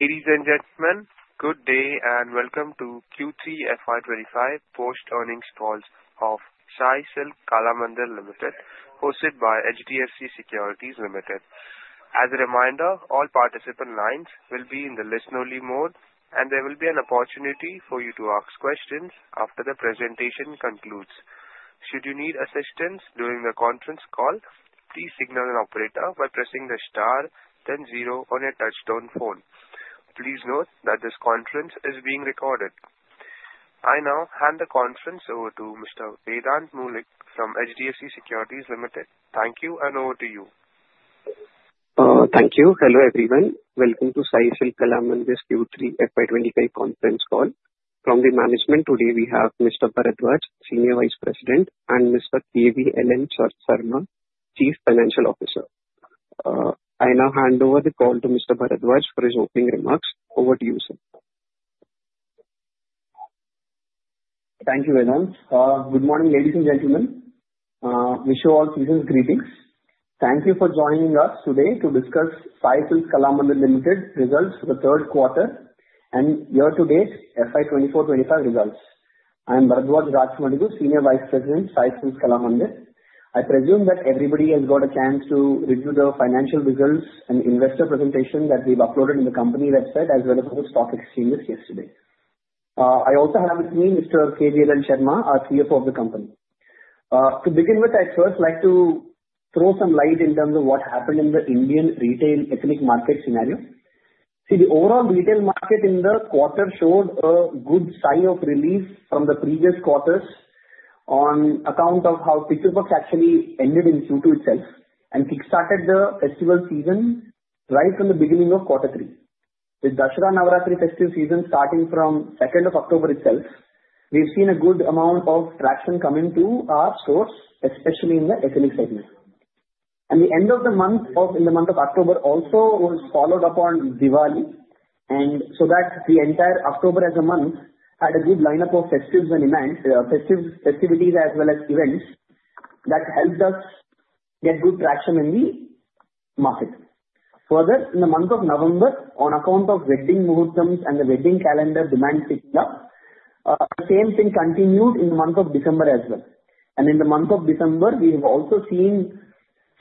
Ladies and gentlemen, good day and welcome to Q3FY25 post-earnings calls of Sai Silks (Kalamandir) Limited, h osted by HDFC Securities Limited. As a reminder, all participant lines will be in the listen-only mode, and there will be an opportunity for you to ask questions after the presentation concludes. Should you need assistance during the conference call, please signal an operator by pressing the star then zero on your touch-tone phone. Please note that this conference is being recorded. I now hand the conference over to Mr. Vedant Mulik from HDFC Securities Limited. Thank you, and over to you. Thank you. Hello everyone. Welcome to Sai Silks (Kalamandir) Q3FY25 conference call. From the management, today we have Mr. Bharadwaj, Senior Vice President, and Mr. K.V.L.N. Sarma, Chief Financial Officer. I now hand over the call to Mr. Bharadwaj for his opening remarks. Over to you, sir. Thank you, Vedant. Good morning, ladies and gentlemen. Wish you all season's greetings. Thank you for joining us today to discuss Sai Silks (Kalamandir) Limited results for the third quarter and year-to-date FY24-25 results. I am Bharadwaj Raj Mandigu, Senior Vice President, Sai Silks (Kalamandir). I presume that everybody has got a chance to review the financial results and investor presentation that we've uploaded on the company website as well as on the stock exchanges yesterday. I also have with me Mr. K.V.L.N. Sarma, our CFO of the company. To begin with, I'd first like to throw some light in terms of what happened in the Indian retail ethnic market scenario. See, the overall retail market in the quarter showed a good sigh of relief from the previous quarters on account of how Pitru Paksha actually ended in Q2 itself and kickstarted the festival season right from the beginning of quarter three. With Dussehra Navratri festival season starting from the second of October itself, we've seen a good amount of traction come into our stores, especially in the ethnic segment, and the end of the month, in the month of October also, was followed upon Diwali, and so that the entire October as a month had a good lineup of festivities as well as events that helped us get good traction in the market. Further, in the month of November, on account of wedding muhurtams and the wedding calendar demand picking up, the same thing continued in the month of December as well. In the month of December, we have also seen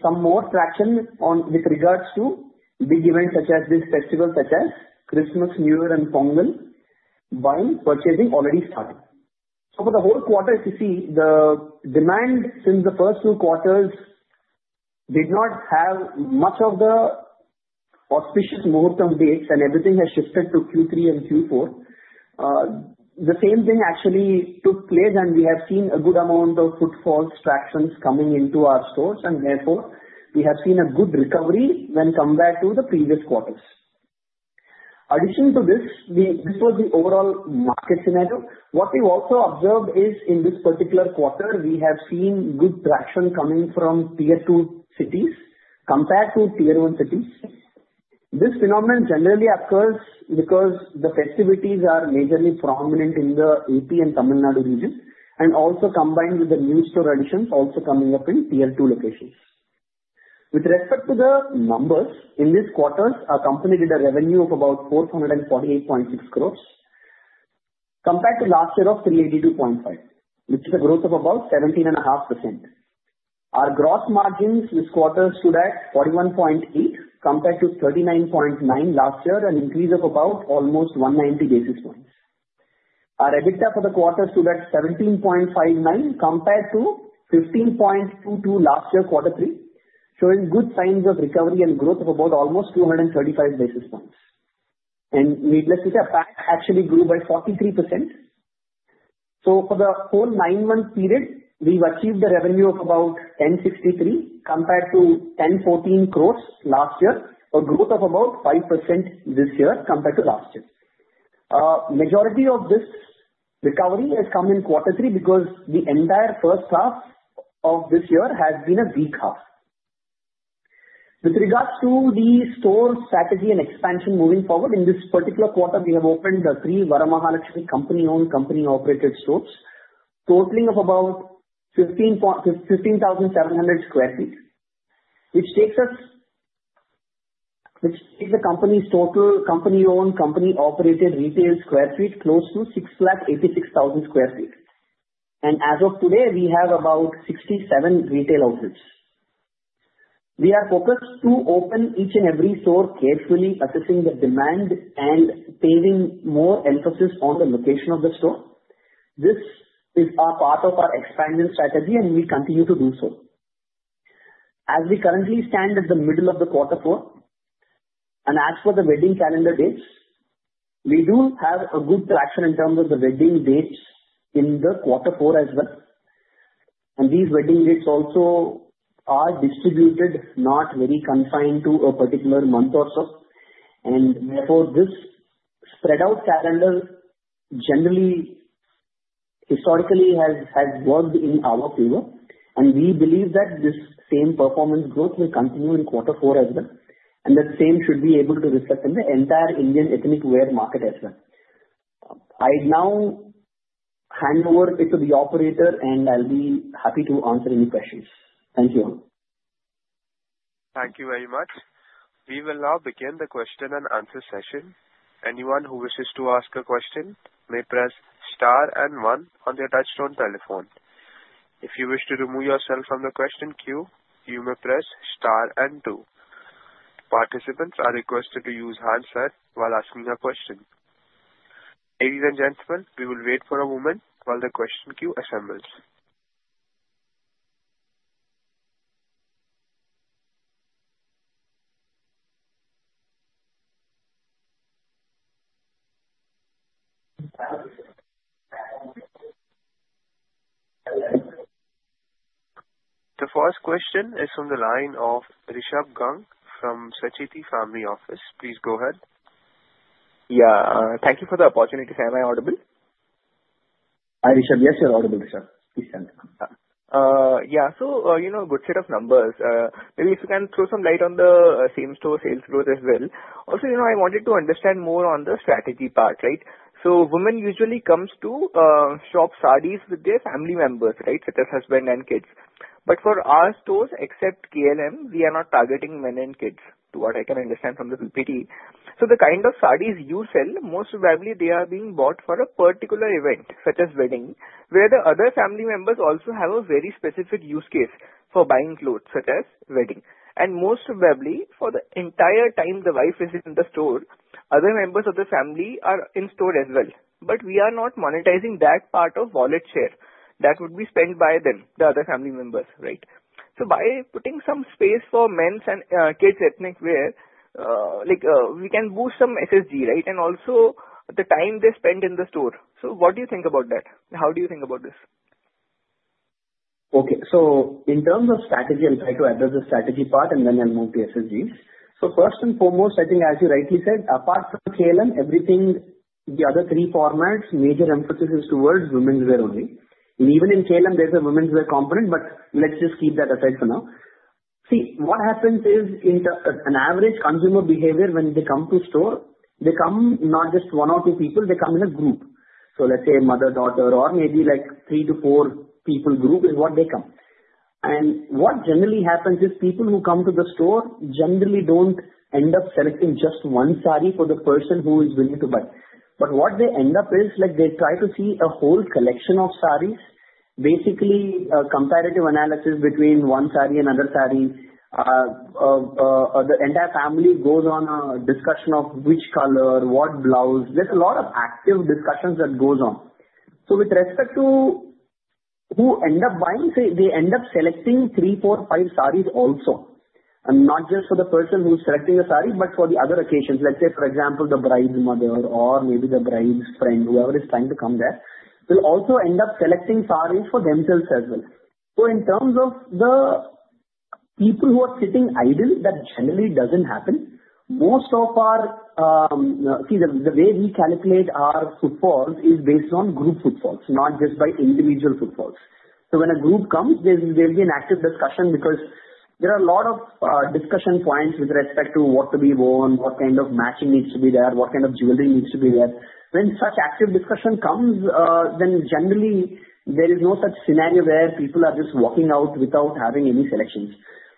some more traction with regards to big events such as this festival, such as Christmas, New Year, and Pongal, while purchasing has already started. For the whole quarter, if you see, the demand since the first two quarters did not have much of the auspicious Muhurtam dates, and everything has shifted to Q3 and Q4. The same thing actually took place, and we have seen a good amount of footfalls, tractions coming into our stores, and therefore we have seen a good recovery when compared to the previous quarters. In addition to this, this was the overall market scenario. What we've also observed is in this particular quarter, we have seen good traction coming from Tier 2 cities compared to Tier 1 cities. This phenomenon generally occurs because the festivities are majorly prominent in the AP and Tamil Nadu region, and also combined with the new store additions also coming up in tier 2 locations. With respect to the numbers, in this quarter, our company did a revenue of about 448.6 crores compared to last year of 382.5 crores, which is a growth of about 17.5%. Our gross margins this quarter stood at 41.8% compared to 39.9% last year, an increase of about almost 190 basis points. Our EBITDA for the quarter stood at 17.59% compared to 15.22% last year, quarter three, showing good signs of recovery and growth of about almost 235 basis points. Needless to say, our PAT actually grew by 43%. For the whole nine-month period, we've achieved a revenue of about 1,063 crores compared to 1,014 crores last year, a growth of about 5% this year compared to last year. Majority of this recovery has come in quarter three because the entire first half of this year has been a weak half. With regards to the store strategy and expansion moving forward, in this particular quarter, we have opened three Varamahalakshmi company-owned, company-operated stores, totaling of about 15,700 sq ft, which takes the company's total company-owned, company-operated retail square feet close to 686,000 sq ft. And as of today, we have about 67 retail outlets. We are focused to open each and every store carefully, assessing the demand and paving more emphasis on the location of the store. This is part of our expansion strategy, and we continue to do so. As we currently stand at the middle of the quarter four, and as for the wedding calendar dates, we do have a good traction in terms of the wedding dates in the quarter four as well. And these wedding dates also are distributed, not very confined to a particular month or so. And therefore, this spread-out calendar generally historically has worked in our favor, and we believe that this same performance growth will continue in quarter four as well. And that same should be able to reflect in the entire Indian ethnic wear market as well. I now hand it over to the operator, and I'll be happy to answer any questions. Thank you all. Thank you very much. We will now begin the question and answer session. Anyone who wishes to ask a question may press star and one on their touch-tone telephone. If you wish to remove yourself from the question queue, you may press star and two. Participants are requested to use handset while asking a question. Ladies and gentlemen, we will wait for a moment while the question queue assembles. The first question is from the line of Rishabh Gang from Sacheti Family Office. Please go ahead. Yeah. Thank you for the opportunity, am I audible? Hi, Rishabh. Yes, you're audible, Rishabh. Yeah. So a good set of numbers. Maybe if you can throw some light on the same store sales growth as well. Also, I wanted to understand more on the strategy part, right? So women usually come to shop sarees with their family members, right, such as husband and kids. But for our stores, except KLM, we are not targeting men and kids, to what I can understand from the PPT. So the kind of sarees you sell, most probably they are being bought for a particular event, such as wedding, where the other family members also have a very specific use case for buying clothes, such as wedding. And most probably, for the entire time the wife is in the store, other members of the family are in store as well. But we are not monetizing that part of wallet share that would be spent by them, the other family members, right? So by putting some space for men's and kids' ethnic wear, we can boost some SSG, right, and also the time they spend in the store. So what do you think about that? How do you think about this? Okay. So in terms of strategy, I'll try to address the strategy part, and then I'll move to SSGs. So first and foremost, I think, as you rightly said, apart from KLM, everything, the other three formats, major emphasis is towards women's wear only. And even in KLM, there's a women's wear component, but let's just keep that aside for now. See, what happens is, in an average consumer behavior, when they come to store, they come not just one or two people, they come in a group. So let's say a mother, daughter, or maybe like three to four people group is what they come. And what generally happens is people who come to the store generally don't end up selecting just one saree for the person who is willing to buy. But what they end up is they try to see a whole collection of sarees, basically a comparative analysis between one saree and other sarees. The entire family goes on a discussion of which color, what blouse. There's a lot of active discussions that go on. So with respect to who ends up buying, they end up selecting three, four, five sarees also. And not just for the person who's selecting the saree, but for the other occasions. Let's say, for example, the bride's mother or maybe the bride's friend, whoever is trying to come there, will also end up selecting sarees for themselves as well. So in terms of the people who are sitting idle, that generally doesn't happen. Most of our stores, the way we calculate our footfalls is based on group footfalls, not just by individual footfalls. When a group comes, there will be an active discussion because there are a lot of discussion points with respect to what to be worn, what kind of matching needs to be there, what kind of jewelry needs to be there. When such active discussion comes, then generally, there is no such scenario where people are just walking out without having any selections.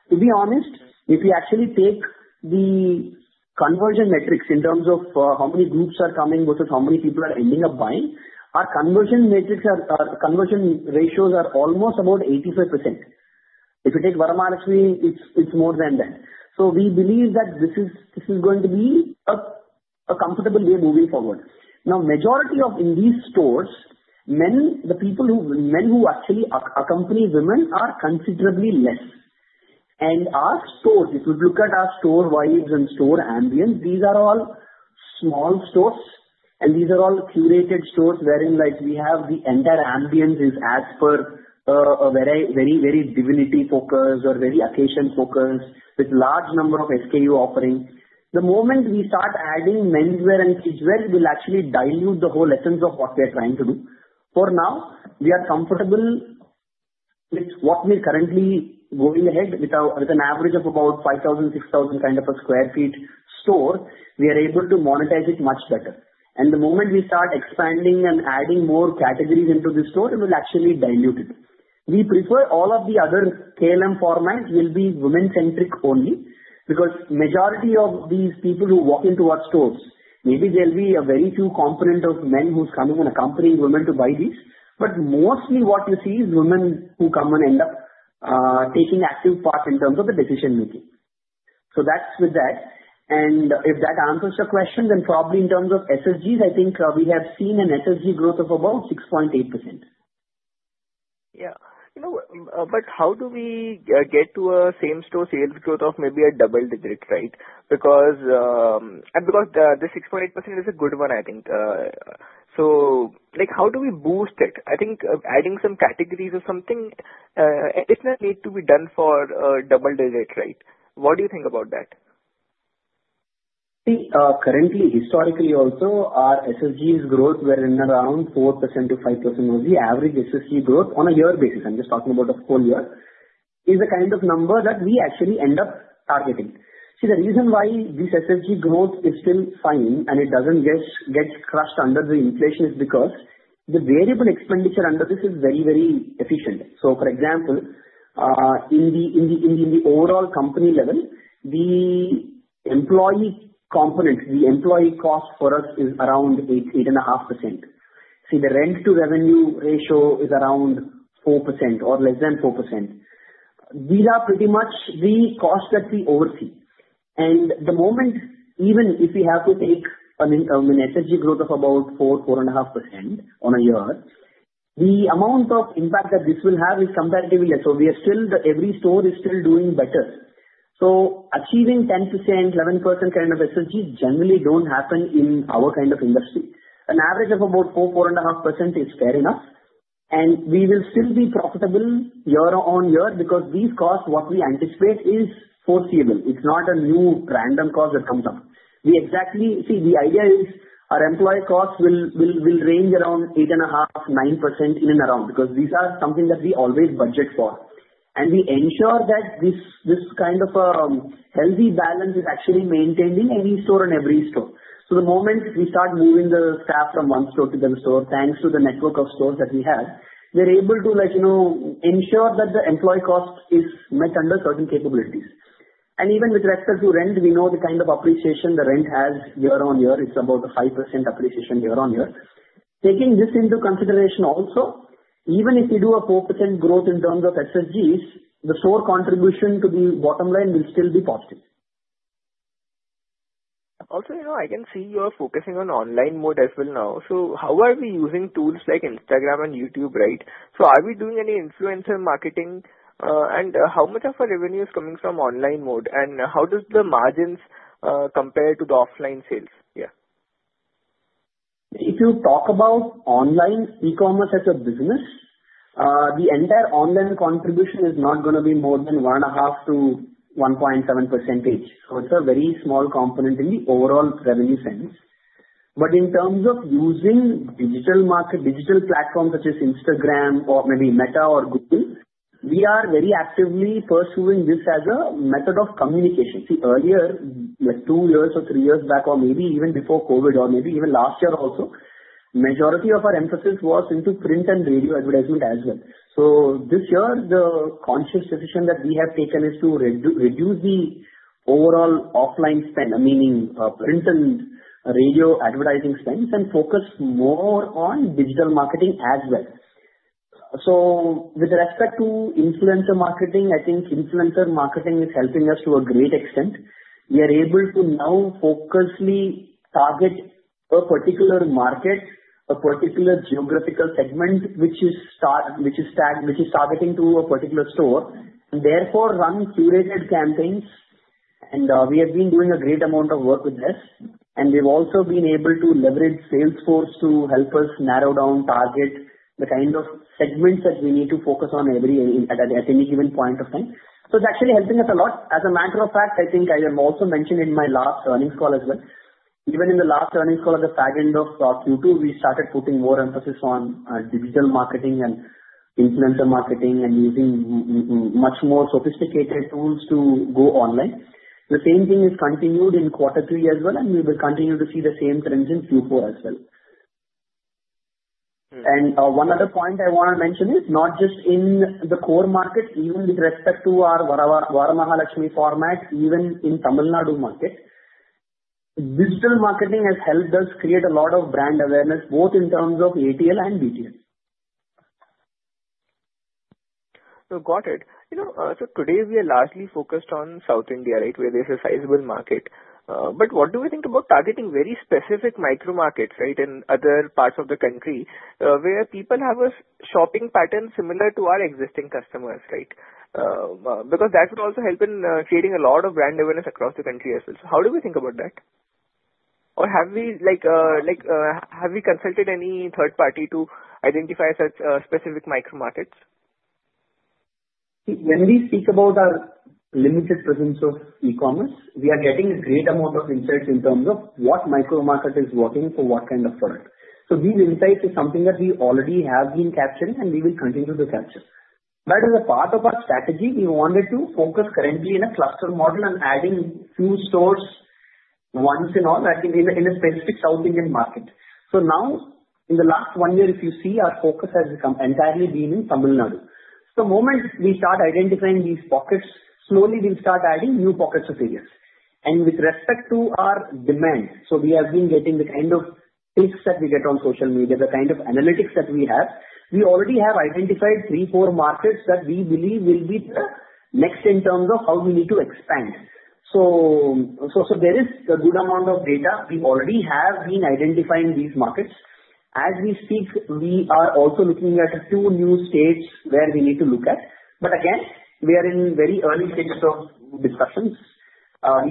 To be honest, if you actually take the conversion metrics in terms of how many groups are coming versus how many people are ending up buying, our conversion ratios are almost about 85%. If you take Varamahalakshmi, it's more than that. We believe that this is going to be a comfortable way moving forward. Now, majority of in these stores, the people who actually accompany women are considerably less. Our stores, if you look at our store vibes and store ambience, these are all small stores, and these are all curated stores wherein we have the entire ambience is as per a very, very divinity focus or very occasion focus with a large number of SKU offerings. The moment we start adding men's wear and kids' wear, it will actually dilute the whole essence of what we are trying to do. For now, we are comfortable with what we're currently going ahead with an average of about 5,000, 6,000 kind of a sq ft store, we are able to monetize it much better. The moment we start expanding and adding more categories into the store, it will actually dilute it. We prefer all of the other KLM formats will be women-centric only because the majority of these people who walk into our stores, maybe there'll be a very few components of men who's coming and accompanying women to buy these. But mostly what you see is women who come and end up taking active part in terms of the decision-making. So that's with that. And if that answers your question, then probably in terms of SSGs, I think we have seen an SSG growth of about 6.8%. Yeah. But how do we get to a same-store sales growth of maybe a double digit, right? And because the 6.8% is a good one, I think. So how do we boost it? I think adding some categories or something, it's not need to be done for a double digit, right? What do you think about that? See, currently, historically also, our SSGs growth were in around 4% to 5% of the average SSG growth on a year basis. I'm just talking about a full year. It's the kind of number that we actually end up targeting. See, the reason why this SSG growth is still fine and it doesn't get crushed under the inflation is because the variable expenditure under this is very, very efficient. So for example, in the overall company level, the employee component, the employee cost for us is around 8.5%. See, the rent-to-revenue ratio is around 4% or less than 4%. These are pretty much the costs that we oversee, and the moment, even if we have to take an SSG growth of about 4, 4.5% on a year, the amount of impact that this will have is comparatively less. So we are still, every store is still doing better. So achieving 10%-11% kind of SSGs generally don't happen in our kind of industry. An average of about 4-4.5% is fair enough. And we will still be profitable year on year because these costs, what we anticipate, is foreseeable. It's not a new random cost that comes up. See, the idea is our employee costs will range around 8.5%-9% in and around because these are something that we always budget for. And we ensure that this kind of healthy balance is actually maintained in any store and every store. So the moment we start moving the staff from one store to the other store, thanks to the network of stores that we have, we're able to ensure that the employee cost is met under certain capabilities. And even with respect to rent, we know the kind of appreciation the rent has year on year. It's about a 5% appreciation year on year. Taking this into consideration also, even if you do a 4% growth in terms of SSGs, the store contribution to the bottom line will still be positive. Also, I can see you're focusing on online mode as well now. So how are we using tools like Instagram and YouTube, right? So are we doing any influencer marketing? And how much of our revenue is coming from online mode? And how does the margins compare to the offline sales? Yeah. If you talk about online e-commerce as a business, the entire online contribution is not going to be more than 1.5% to 1.7%. So it's a very small component in the overall revenue sense. But in terms of using digital platforms such as Instagram or maybe Meta or Google, we are very actively pursuing this as a method of communication. See, earlier, two years or three years back, or maybe even before COVID, or maybe even last year also, the majority of our emphasis was into print and radio advertisement as well. So this year, the conscious decision that we have taken is to reduce the overall offline spend, meaning print and radio advertising spend, and focus more on digital marketing as well. So with respect to influencer marketing, I think influencer marketing is helping us to a great extent. We are able to now focally target a particular market, a particular geographical segment, which is targeting to a particular store, and therefore run curated campaigns, and we have been doing a great amount of work with this, and we've also been able to leverage Salesforce to help us narrow down, target the kind of segments that we need to focus on at any given point of time, so it's actually helping us a lot. As a matter of fact, I think I have also mentioned in my last earnings call as well, even in the last earnings call at the back end of Q2, we started putting more emphasis on digital marketing and influencer marketing and using much more sophisticated tools to go online. The same thing has continued in quarter three as well, and we will continue to see the same trends in Q4 as well. One other point I want to mention is not just in the core market, even with respect to our Varamahalakshmi format, even in Tamil Nadu market, digital marketing has helped us create a lot of brand awareness, both in terms of ATL and BTL. So got it. So today, we are largely focused on South India, right, where there's a sizable market. But what do we think about targeting very specific micro markets, right, in other parts of the country where people have a shopping pattern similar to our existing customers, right? Because that would also help in creating a lot of brand awareness across the country as well. So how do we think about that? Or have we consulted any third party to identify such specific micro markets? When we speak about our limited presence of e-commerce, we are getting a great amount of insights in terms of what micro market is working for what kind of product. So these insights are something that we already have been capturing, and we will continue to capture. But as a part of our strategy, we wanted to focus currently in a cluster model and adding few stores once and all in a specific South Indian market. So now, in the last one year, if you see, our focus has entirely been in Tamil Nadu. So the moment we start identifying these pockets, slowly we'll start adding new pockets of areas. With respect to our demand, so we have been getting the kind of picks that we get on social media, the kind of analytics that we have. We already have identified three, four markets that we believe will be the next in terms of how we need to expand. So there is a good amount of data. We already have been identifying these markets. As we speak, we are also looking at a few new states where we need to look at. But again, we are in very early stages of discussions.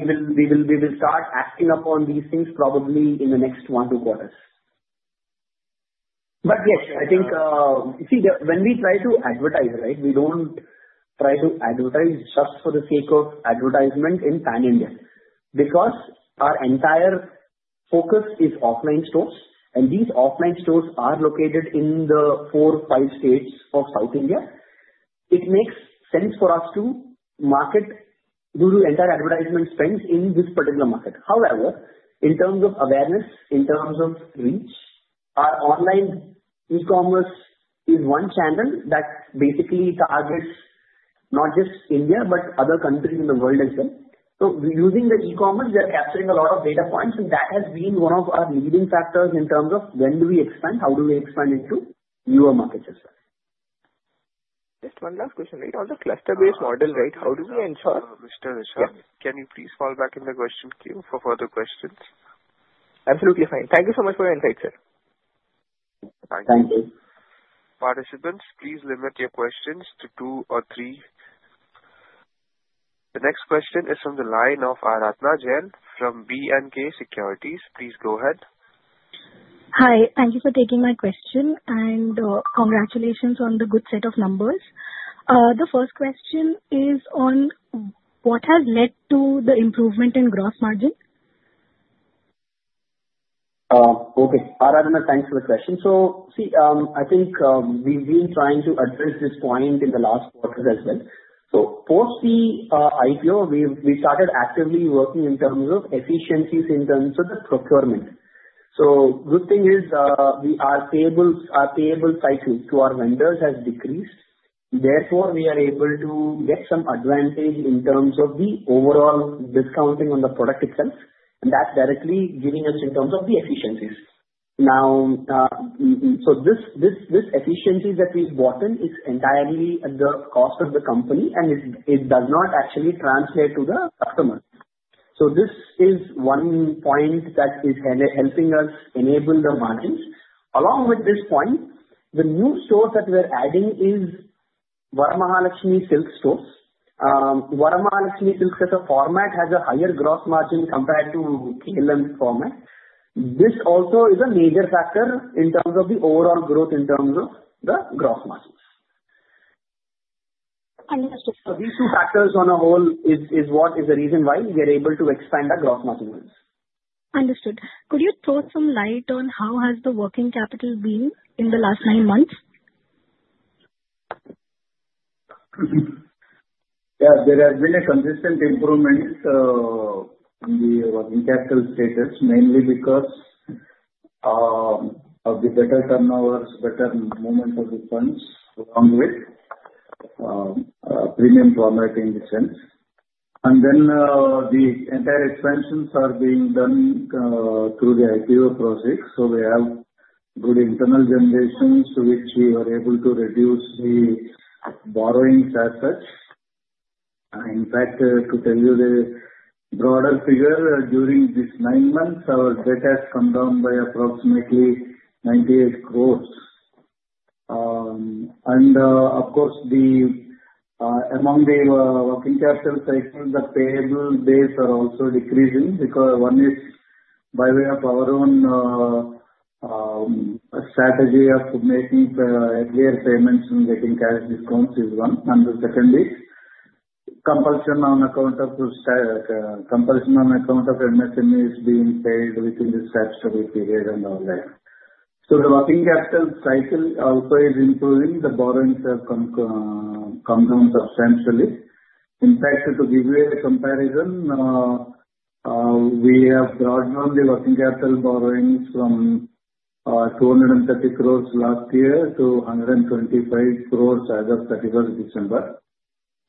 We will start acting upon these things probably in the next one to two quarters. But yes, I think, see, when we try to advertise, right, we don't try to advertise just for the sake of advertisement in pan-India because our entire focus is offline stores. These offline stores are located in the four, five states of South India. It makes sense for us to market through entire advertisement spends in this particular market. However, in terms of awareness, in terms of reach, our online e-commerce is one channel that basically targets not just India, but other countries in the world as well. Using the e-commerce, we are capturing a lot of data points, and that has been one of our leading factors in terms of when do we expand, how do we expand into newer markets as well. Just one last question, right? On the cluster-based model, right, how do we ensure? Mr. Rishabh, can you please fall back in the question queue for further questions? Absolutely fine. Thank you so much for your insights, sir. Thank you. Thank you. Participants, please limit your questions to two or three. The next question is from the line of Aradhana Jain from B&K Securities. Please go ahead. Hi. Thank you for taking my question, and congratulations on the good set of numbers. The first question is on what has led to the improvement in gross margin? Okay. Aradhana, thanks for the question. So see, I think we've been trying to address this point in the last quarter as well. So post the IPO, we started actively working in terms of efficiencies in terms of the procurement. So the good thing is our payable cycle to our vendors has decreased. Therefore, we are able to get some advantage in terms of the overall discounting on the product itself, and that's directly giving us in terms of the efficiencies. Now, so this efficiency that we've bought in is entirely at the cost of the company, and it does not actually translate to the customers. So this is one point that is helping us enable the margins. Along with this point, the new stores that we are adding is Varamahalakshmi Silks stores. Varamahalakshmi Silks as a format has a higher gross margin compared to KLM format. This also is a major factor in terms of the overall growth in terms of the gross margins. These two factors on a whole is what is the reason why we are able to expand our gross margins. Understood. Could you throw some light on how has the working capital been in the last nine months? Yeah. There has been a consistent improvement in the working capital status, mainly because of the better turnovers, better movement of the funds along with premium format in this sense, and then the entire expansions are being done through the IPO process, so we have good internal generations, which we were able to reduce the borrowings as such. In fact, to tell you the broader figure, during these nine months, our debt has come down by approximately 98 crores, and of course, among the working capital cycles, the payable base are also decreasing because one is by way of our own strategy of making earlier payments and getting cash discounts is one, and the second is compulsion on account of MSMEs being paid within the statutory period and all that, so the working capital cycle also is improving. The borrowings have come down substantially. In fact, to give you a comparison, we have broadened the working capital borrowings from 230 crores last year to 125 crores as of 31st December.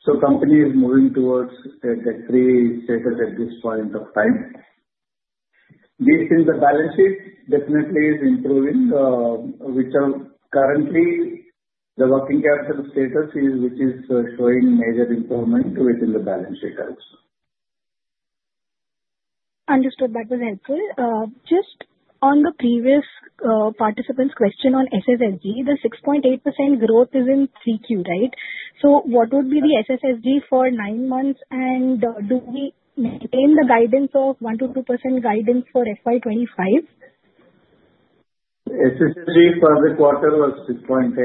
So the company is moving towards a debt-free status at this point of time. Based on the balance sheet, definitely is improving, which currently the working capital status is showing major improvement within the balance sheet also. Understood. That was helpful. Just on the previous participant's question on SSSG, the 6.8% growth is in Q3, right? So what would be the SSSG for nine months, and do we maintain the guidance of 1%-2% guidance for FY25? SSSG for the quarter was 6.8%.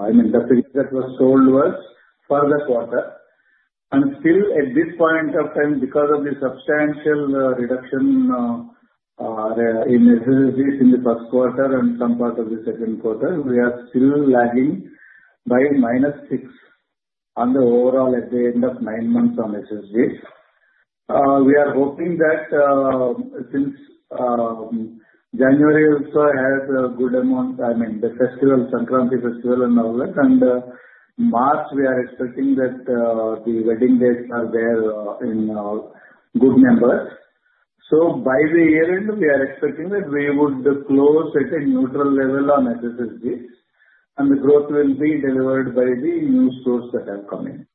I mean, that's the figure that was told to us for the quarter and still, at this point of time, because of the substantial reduction in SSSGs in the first quarter and some part of the second quarter, we are still lagging by -6% on the overall at the end of nine months on SSSGs. We are hoping that since January also has a good amount, I mean, the festival, Sankranti festival and all that, and March, we are expecting that the wedding dates are there in good numbers, so by the year end, we are expecting that we would close at a neutral level on SSSGs, and the growth will be delivered by the new stores that have come in.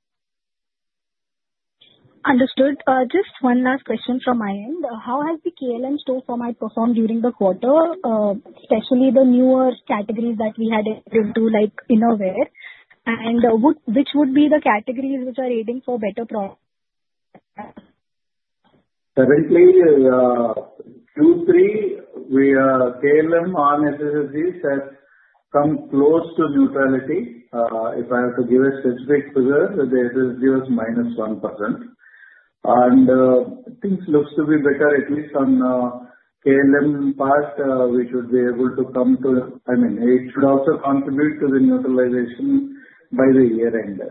Understood. Just one last question from my end. How has the KLM store format performed during the quarter, especially the newer categories that we had entered into like innerwear? Which would be the categories which are aiding for better profit? Currently, Q3, KLM on SSSGs has come close to neutrality. If I have to give a specific figure, the SSG was -1%. And things look to be better, at least on KLM part, which would be able to come to, I mean, it should also contribute to the neutralization by the year end.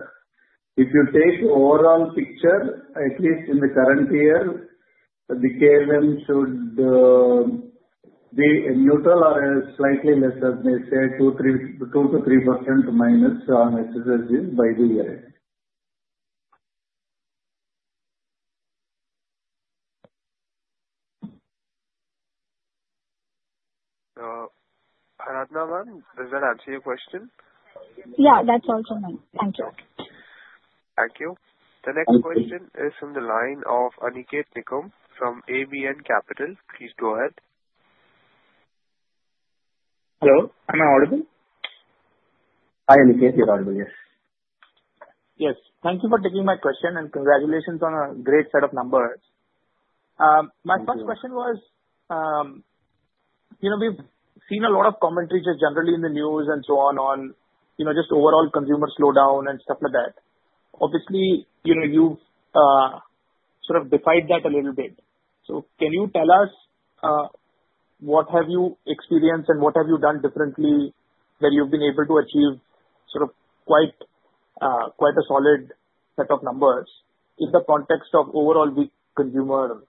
If you take the overall picture, at least in the current year, the KLM should be neutral or slightly lesser, let's say -2% to -3% on SSSGs by the year end. Aradhana ma'am, does that answer your question? Yeah, that's all from me. Thank you. Thank you. The next question is from the line of Aniket Nikumb from ABN Capital. Please go ahead. Hello. Am I audible? Hi, Aniket. You're audible, yes? Yes. Thank you for taking my question, and congratulations on a great set of numbers. My first question was, we've seen a lot of commentary just generally in the news and so on on just overall consumer slowdown and stuff like that. Obviously, you've sort of defied that a little bit. So can you tell us what have you experienced and what have you done differently where you've been able to achieve sort of quite a solid set of numbers in the context of overall consumer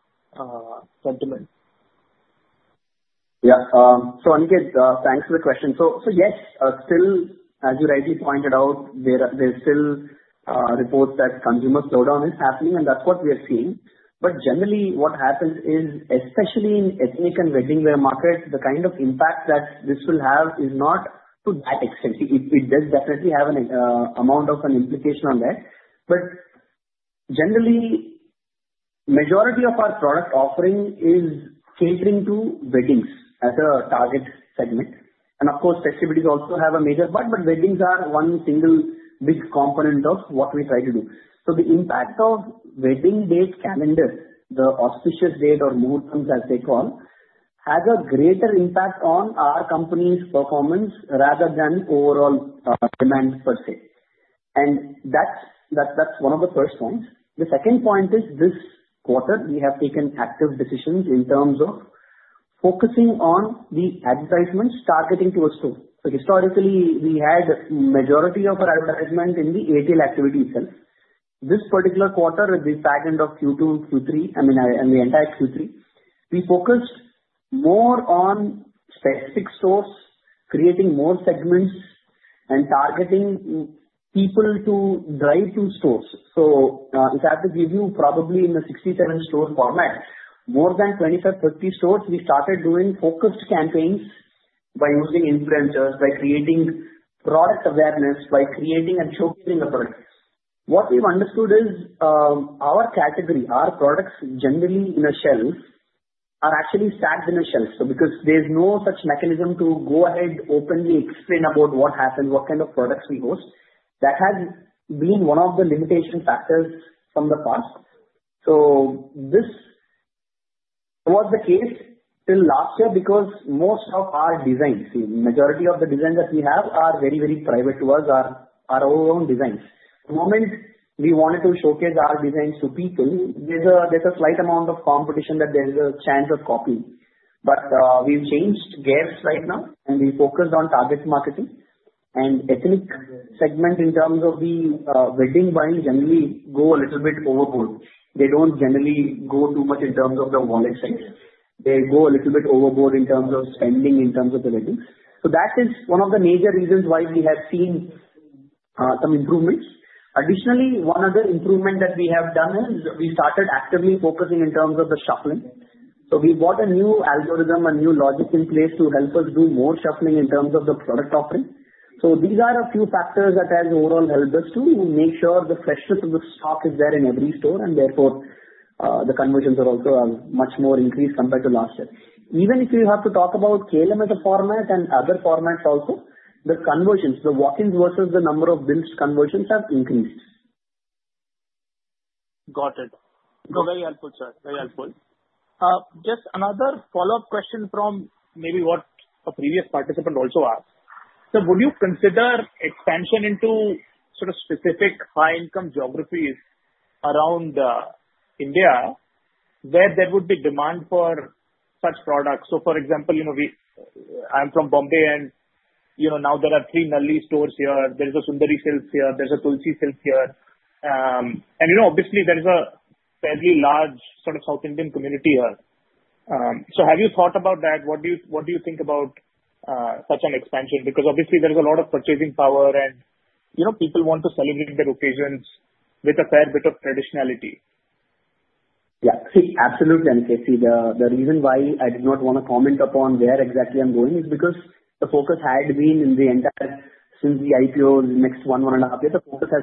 sentiment? Yeah. So Aniket, thanks for the question. So yes, still, as you rightly pointed out, there are still reports that consumer slowdown is happening, and that's what we are seeing. But generally, what happens is, especially in ethnic and wedding wear markets, the kind of impact that this will have is not to that extent. It does definitely have an amount of implication on that. But generally, the majority of our product offering is catering to weddings as a target segment. And of course, festivities also have a major part, but weddings are one single big component of what we try to do. So the impact of wedding date calendar, the auspicious date or Moodam as they call, has a greater impact on our company's performance rather than the overall demand per se. And that's one of the first points. The second point is, this quarter, we have taken active decisions in terms of focusing on the advertisements targeting to a store. So historically, we had the majority of our advertisement in the ATL activity itself. This particular quarter, at the back end of Q2 and Q3, I mean, in the entire Q3, we focused more on specific stores, creating more segments and targeting people to drive to stores. So if I have to give you, probably in the 67-store format, more than 25, 30 stores, we started doing focused campaigns by using influencers, by creating product awareness, by creating and showcasing the products. What we've understood is our category, our products generally in a shelf, are actually stacked in a shelf. So because there's no such mechanism to go ahead openly explain about what happened, what kind of products we host, that has been one of the limitation factors from the past. So this was the case till last year because most of our designs, the majority of the designs that we have are very, very private to us, are our own designs. The moment we wanted to showcase our designs to people, there's a slight amount of competition that there's a chance of copying. But we've changed gears right now, and we focused on target marketing. And ethnic segment in terms of the wedding buying generally go a little bit overboard. They don't generally go too much in terms of the wallet size. They go a little bit overboard in terms of spending in terms of the weddings. So that is one of the major reasons why we have seen some improvements. Additionally, one other improvement that we have done is we started actively focusing in terms of the shuffling. So we bought a new algorithm, a new logic in place to help us do more shuffling in terms of the product offering. So these are a few factors that have overall helped us to make sure the freshness of the stock is there in every store, and therefore, the conversions are also much more increased compared to last year. Even if you have to talk about KLM as a format and other formats also, the conversions, the walk-ins versus the number of billed conversions have increased. Got it. So very helpful, sir. Very helpful. Just another follow-up question from maybe what a previous participant also asked. So would you consider expansion into sort of specific high-income geographies around India where there would be demand for such products? So for example, I'm from Bombay, and now there are three Nalli stores here. There's a Sundari Silk here. There's a Tulshi Silk here. And obviously, there is a fairly large sort of South Indian community here. So have you thought about that? What do you think about such an expansion? Because obviously, there's a lot of purchasing power, and people want to celebrate their occasions with a fair bit of traditionality. Yeah. See, absolutely, Aniket. See, the reason why I do not want to comment upon where exactly I'm going is because the focus had been in the entire since the IPO, the next one, one and a half years, the focus has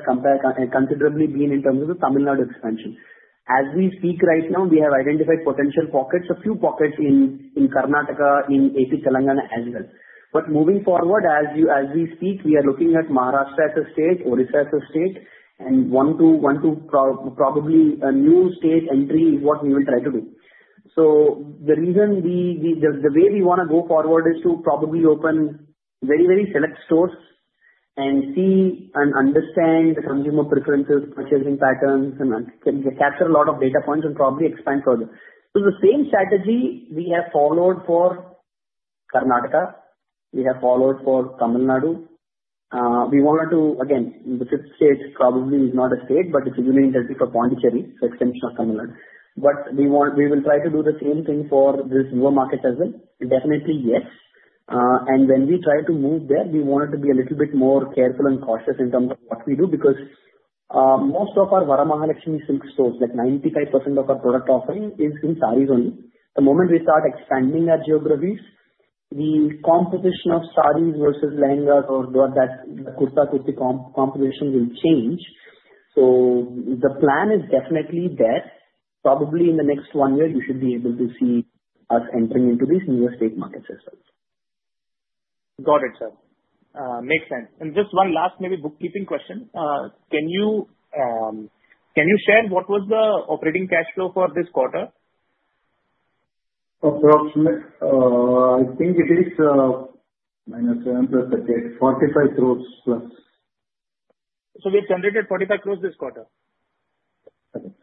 considerably been in terms of the Tamil Nadu expansion. As we speak right now, we have identified potential pockets, a few pockets in Karnataka, in AP, Telangana as well. But moving forward, as we speak, we are looking at Maharashtra as a state, Odisha as a state, and one to probably a new state entry is what we will try to do. So the reason the way we want to go forward is to probably open very, very select stores and see and understand the consumer preferences, purchasing patterns, and capture a lot of data points and probably expand further. So the same strategy we have followed for Karnataka. We have followed for Tamil Nadu. We wanted to, again, the fifth state probably is not a state, but it's really intended for Pondicherry, so extension of Tamil Nadu. But we will try to do the same thing for this newer market as well. Definitely, yes. And when we try to move there, we want it to be a little bit more careful and cautious in terms of what we do because most of our Varamahalakshmi Silks stores, like 95% of our product offering, is in sarees only. The moment we start expanding our geographies, the composition of sarees versus lehengas or Kurta-Kurti composition will change. So the plan is definitely that probably in the next one year, you should be able to see us entering into these newer state markets as well. Got it, sir. Makes sense, and just one last maybe bookkeeping question. Can you share what was the operating cash flow for this quarter? Approximate. I think it is minus seven plus 48, 45 crores plus. So we have generated 45 crores this quarter? Correct.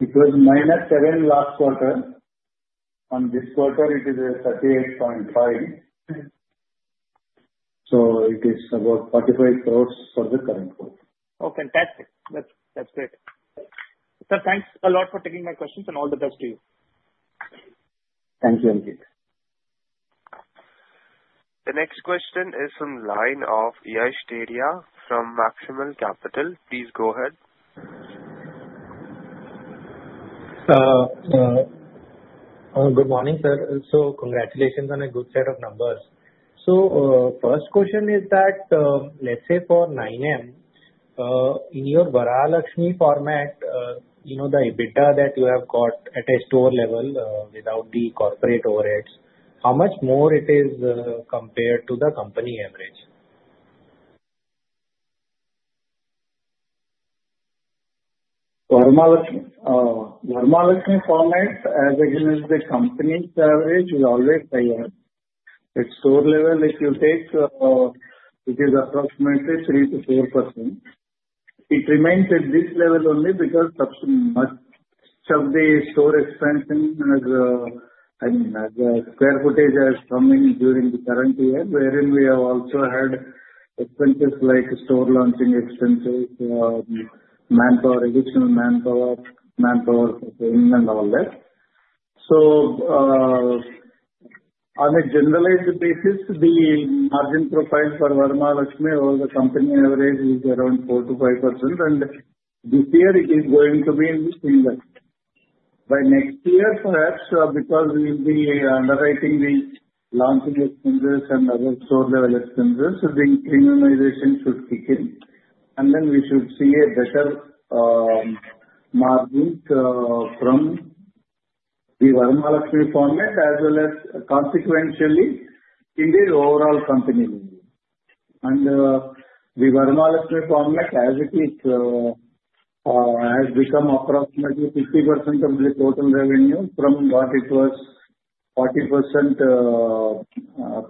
It was -7% last quarter. On this quarter, it is 38.5%. So it is about 45 crores for the current quarter. Oh, fantastic. That's great. Sir, thanks a lot for taking my questions, and all the best to you. Thank you, Aniket. The next question is from the line of Yash Dedhia from Maximal Capital. Please go ahead. Good morning, sir. So congratulations on a good set of numbers. So first question is that, let's say for 9M, in your Varamahalakshmi format, the EBITDA that you have got at a store level without the corporate overheads, how much more it is compared to the company average? Varamahalakshmi format, as again, as the company's average, is always higher. At store level, if you take, it is approximately 3%-4%. It remains at this level only because much of the store expansion, I mean, as square footage has come in during the current year, wherein we have also had expenses like store launching expenses, manpower, additional manpower, manpower for payment, and all that. So on a generalized basis, the margin profile for Varamahalakshmi over the company average is around 4%-5%, and this year it is going to be single. By next year, perhaps because we will be underwriting the launching expenses and other store-level expenses, the premiumization should kick in, and then we should see a better margin from the Varamahalakshmi format as well as consequentially in the overall company. And the Varamahalakshmi format, as it is, has become approximately 50% of the total revenue from what it was 40%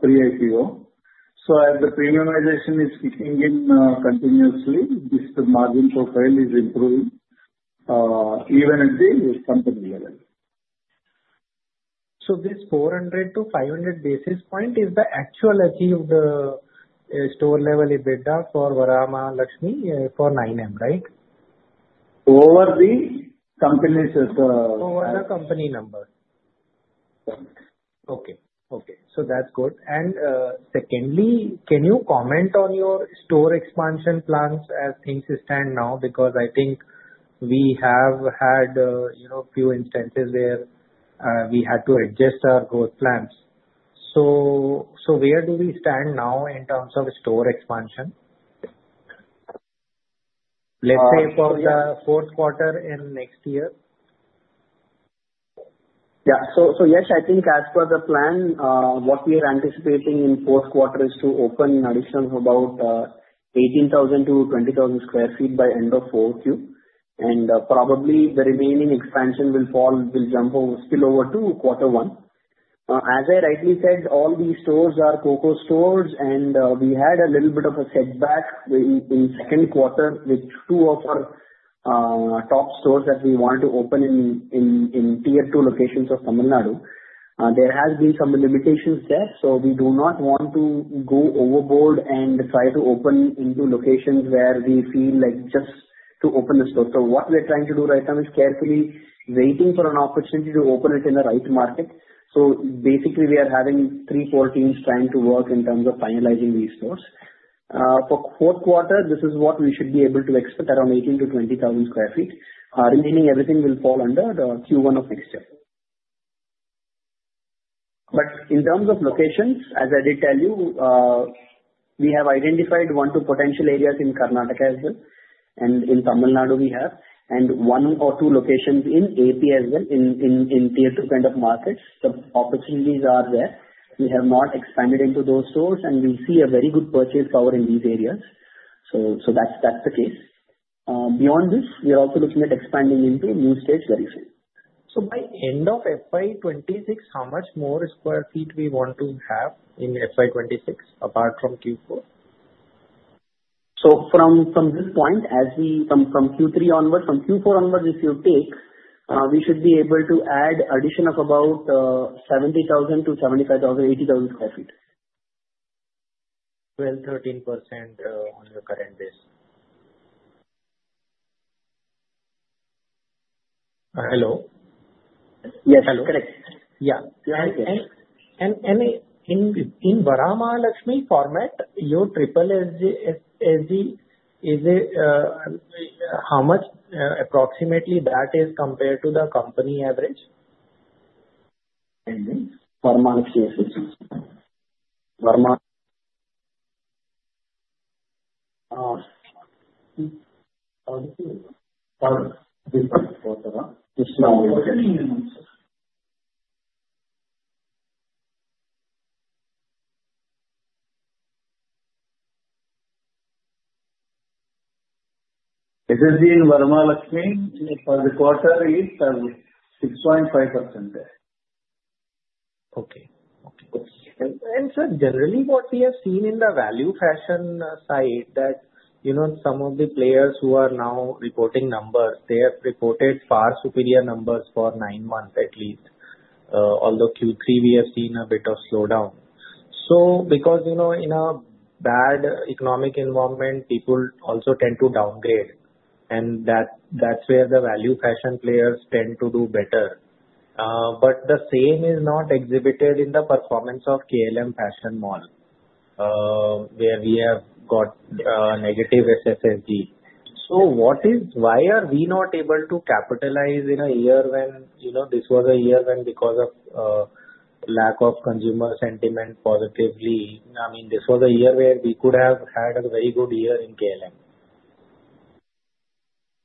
pre-IPO. So as the premiumization is kicking in continuously, this margin profile is improving even at the company level. So this 400-500 basis points is the actual achieved store-level EBITDA for Varamahalakshmi for 9M, right? Over the company's? Over the company number. Correct. Okay. So that's good. And secondly, can you comment on your store expansion plans as things stand now? Because I think we have had a few instances where we had to adjust our growth plans. So where do we stand now in terms of store expansion? Let's say for the fourth quarter in next year. Yeah. So yes, I think as per the plan, what we are anticipating in fourth quarter is to open an additional about 18,000-20,000 sq ft by end of Q4. And probably the remaining expansion will jump still over to Q1. As I rightly said, all these stores are COCO stores, and we had a little bit of a setback in second quarter with two of our top stores that we wanted to open in Tier 2 locations of Tamil Nadu. There has been some limitations there, so we do not want to go overboard and try to open into locations where we feel like just to open the store. So what we're trying to do right now is carefully waiting for an opportunity to open it in the right market. So basically, we are having three, four teams trying to work in terms of finalizing these stores. For fourth quarter, this is what we should be able to expect, around 18-20,000 sq ft. Remaining everything will fall under Q1 of next year. But in terms of locations, as I did tell you, we have identified one or two potential areas in Karnataka as well, and in Tamil Nadu we have, and one or two locations in AP as well in Tier 2 kind of markets. The opportunities are there. We have not expanded into those stores, and we see a very good purchasing power in these areas. So that's the case. Beyond this, we are also looking at expanding into new states very soon. So by end of FY26, how much more sq ft we want to have in FY26 apart from Q4? So from this point, as we from Q3 onward, from Q4 onward, if you take, we should be able to add addition of about 70,000 to 75,000, 80,000 sq ft. 12%-13% on your current base. Hello? Yes. Hello. Correct. Yeah. In Varamahalakshmi format, your SSSG is how much approximately that is compared to the company average? Varamahalakshmi for the quarter is 6.5%. Okay. Okay. And sir, generally, what we have seen in the value fashion side that some of the players who are now reporting numbers, they have reported far superior numbers for nine months at least. Although Q3, we have seen a bit of slowdown. So because in a bad economic environment, people also tend to downgrade, and that's where the value fashion players tend to do better. But the same is not exhibited in the performance of KLM Fashion Mall, where we have got negative SSSG. So why are we not able to capitalize in a year when this was a year when because of lack of consumer sentiment positively? I mean, this was a year where we could have had a very good year in KLM.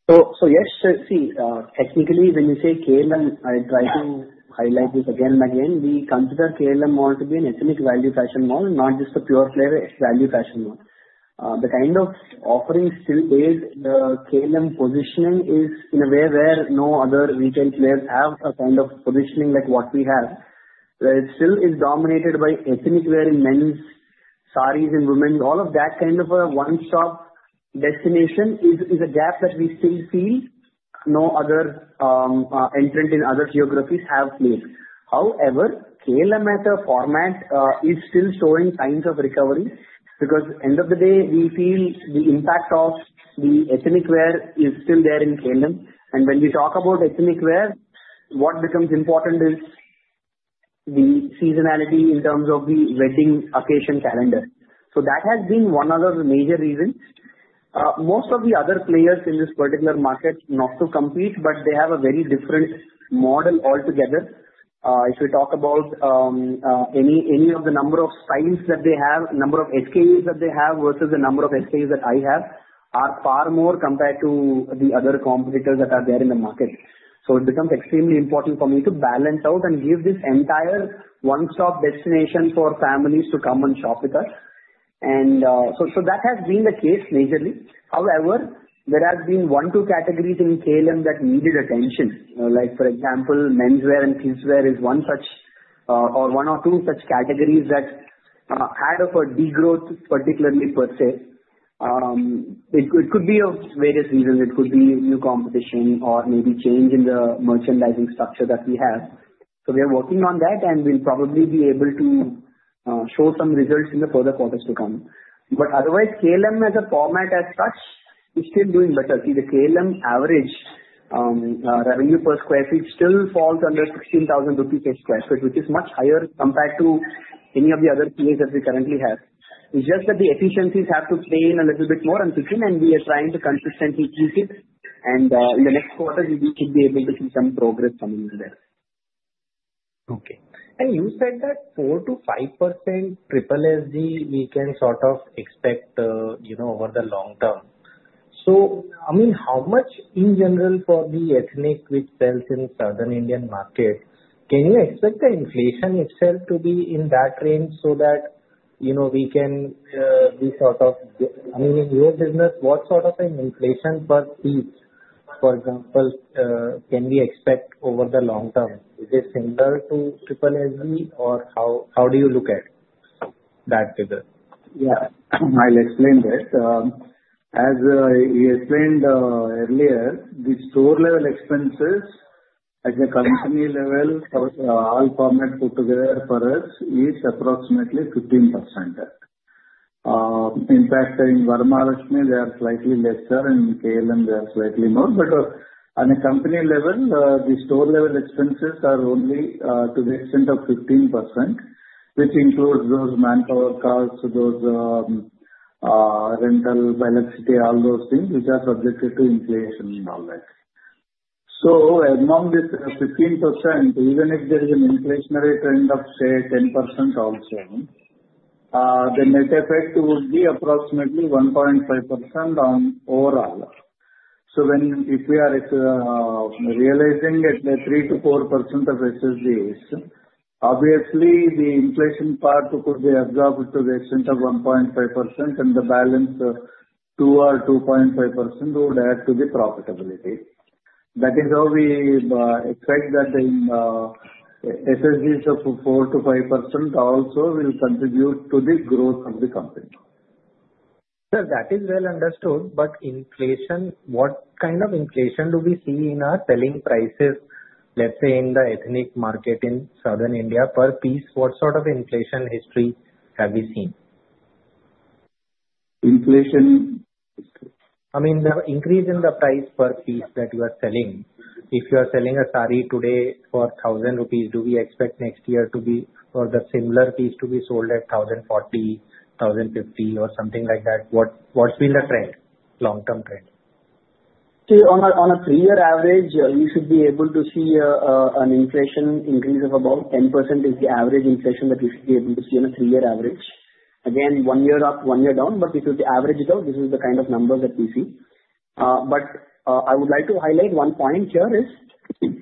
Yes, sir. See, technically, when you say KLM, I try to highlight this again and again. We consider KLM more to be an ethnic value fashion mall, not just a pure value fashion mall. The kind of offering still defines KLM positioning is in a way where no other retail players have a kind of positioning like what we have. It still is dominated by ethnic wear in men's, sarees and women's, all of that kind of a one-stop destination is a gap that we still feel no other entrant in other geographies have played. However, KLM as a format is still showing signs of recovery because at the end of the day, we feel the impact of the ethnic wear is still there in KLM. When we talk about ethnic wear, what becomes important is the seasonality in terms of the wedding occasion calendar. So that has been one of the major reasons. Most of the other players in this particular market not to compete, but they have a very different model altogether. If we talk about any of the number of styles that they have, number of SKUs that they have versus the number of SKUs that I have are far more compared to the other competitors that are there in the market. So it becomes extremely important for me to balance out and give this entire one-stop destination for families to come and shop with us. And so that has been the case majorly. However, there have been one or two categories in KLM that needed attention. For example, men's wear and kids' wear is one such or one or two such categories that had a degrowth, particularly per se. It could be of various reasons. It could be new competition or maybe change in the merchandising structure that we have. So we are working on that, and we'll probably be able to show some results in the further quarters to come. But otherwise, KLM as a format as such, it's still doing better. See, the KLM average revenue per sq ft still falls under 16,000 rupees per sq ft, which is much higher compared to any of the other players that we currently have. It's just that the efficiencies have to play in a little bit more and kick in, and we are trying to consistently keep it. And in the next quarter, we should be able to see some progress coming in there. Okay. You said that 4%-5% SSSG we can sort of expect over the long term. So I mean, how much in general for the ethnic which sells in Southern Indian market, can you expect the inflation itself to be in that range so that we can be sort of I mean, in your business, what sort of an inflation per sq ft, for example, can we expect over the long term? Is it similar to SSSG, or how do you look at that figure? Yeah. I'll explain this. As you explained earlier, the store-level expenses at the company level, all format put together for us, is approximately 15%. In fact, in Varamahalakshmi, they are slightly lesser, and in KLM, they are slightly more. But on a company level, the store-level expenses are only to the extent of 15%, which includes those manpower costs, those rental velocity, all those things which are subjected to inflation and all that. So among this 15%, even if there is an inflationary trend of, say, 10% also, the net effect would be approximately 1.5% overall. So if we are realizing at the 3%-4% of SSGs, obviously, the inflation part could be absorbed to the extent of 1.5%, and the balance 2 or 2.5% would add to the profitability. That is how we expect that the SSGs of 4%-5% also will contribute to the growth of the company. Sir, that is well understood. But inflation, what kind of inflation do we see in our selling prices, let's say, in the ethnic market in South India per piece? What sort of inflation history have we seen? Inflation? I mean, the increase in the price per piece that you are selling. If you are selling a saree today for 1,000 rupees, do we expect next year to be or the similar piece to be sold at 1,040, 1,050, or something like that? What's been the trend, long-term trend? See, on a three-year average, we should be able to see an inflation increase of about 10%. That is the average inflation that we should be able to see on a three-year average. Again, one year up, one year down, but we could average it out. This is the kind of numbers that we see. But I would like to highlight one point here. That is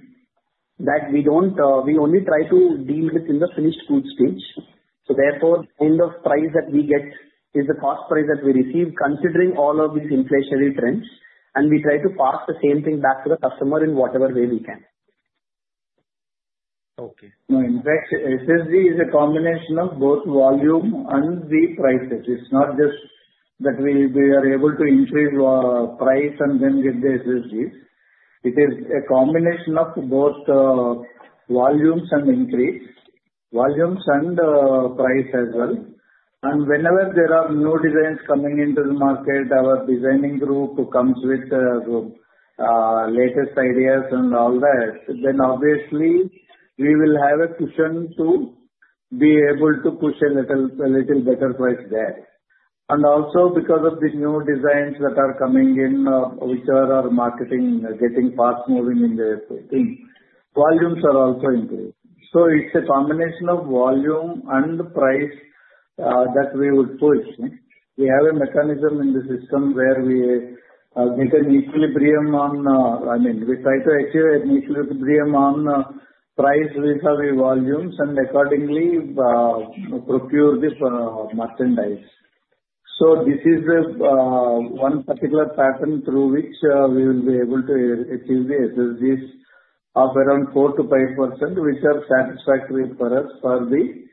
that we only try to deal within the finished goods stage. So therefore, the end price that we get is the cost price that we receive considering all of these inflationary trends, and we try to pass the same thing back to the customer in whatever way we can. Okay. SSG is a combination of both volume and the prices. It's not just that we are able to increase price and then get the SSGs. It is a combination of both volumes and increase, volumes and price as well, and whenever there are new designs coming into the market, our designing group comes with the latest ideas and all that, then obviously, we will have a cushion to be able to push a little better price there. And also, because of the new designs that are coming in, which are our marketing getting fast moving in the thing, volumes are also increasing, so it's a combination of volume and price that we would push. We have a mechanism in the system where we get an equilibrium on, I mean, we try to achieve an equilibrium on price with our volumes and accordingly procure the merchandise. So this is one particular pattern through which we will be able to achieve the SSGs of around 4%-5%, which are satisfactory for us for the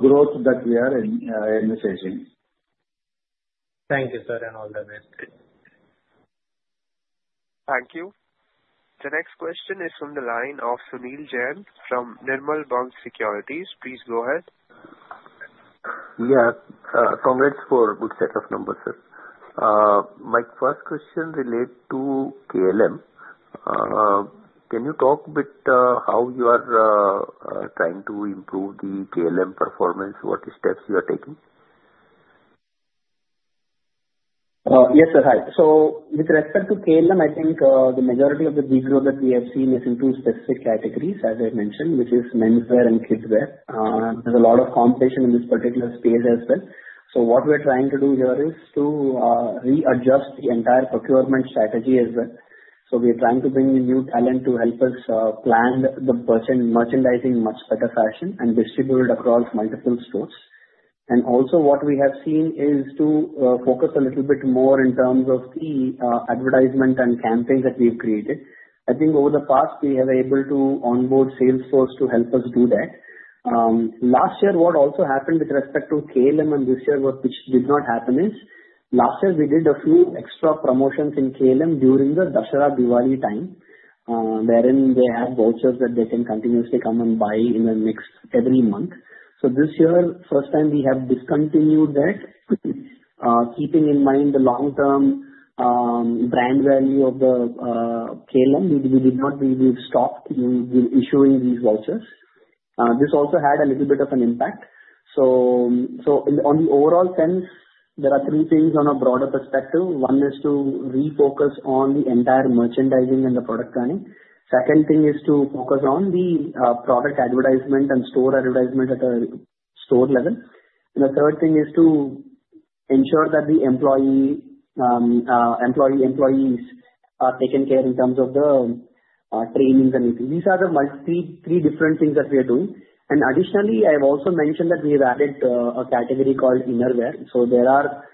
growth that we are envisaging. Thank you, sir, and all the best. Thank you. The next question is from the line of Sunil Jain from Nirmal Bang Securities. Please go ahead. Yes. Congrats for a good set of numbers, sir. My first question relates to KLM. Can you talk a bit how you are trying to improve the KLM performance? What steps you are taking? Yes, sir. Hi. So with respect to KLM, I think the majority of the degrowth that we have seen is in two specific categories, as I mentioned, which is men's wear and kids' wear. There's a lot of competition in this particular space as well. So what we're trying to do here is to readjust the entire procurement strategy as well. So we are trying to bring in new talent to help us plan the merchandising in a much better fashion and distribute it across multiple stores. And also, what we have seen is to focus a little bit more in terms of the advertisement and campaigns that we've created. I think over the past, we have been able to onboard Salesforce to help us do that. Last year, what also happened with respect to KLM, and this year what did not happen is last year, we did a few extra promotions in KLM during the Dussehra Diwali time, wherein they have vouchers that they can continuously come and buy in the mall every month. So this year, first time we have discontinued that. Keeping in mind the long-term brand value of the KLM, we did not stop issuing these vouchers. This also had a little bit of an impact. So on the overall sense, there are three things on a broader perspective. One is to refocus on the entire merchandising and the product planning. Second thing is to focus on the product advertisement and store advertisement at a store level. And the third thing is to ensure that the employees are taken care of in terms of the trainings and meetings. These are the three different things that we are doing, and additionally, I have also mentioned that we have added a category called Innerwear, so there are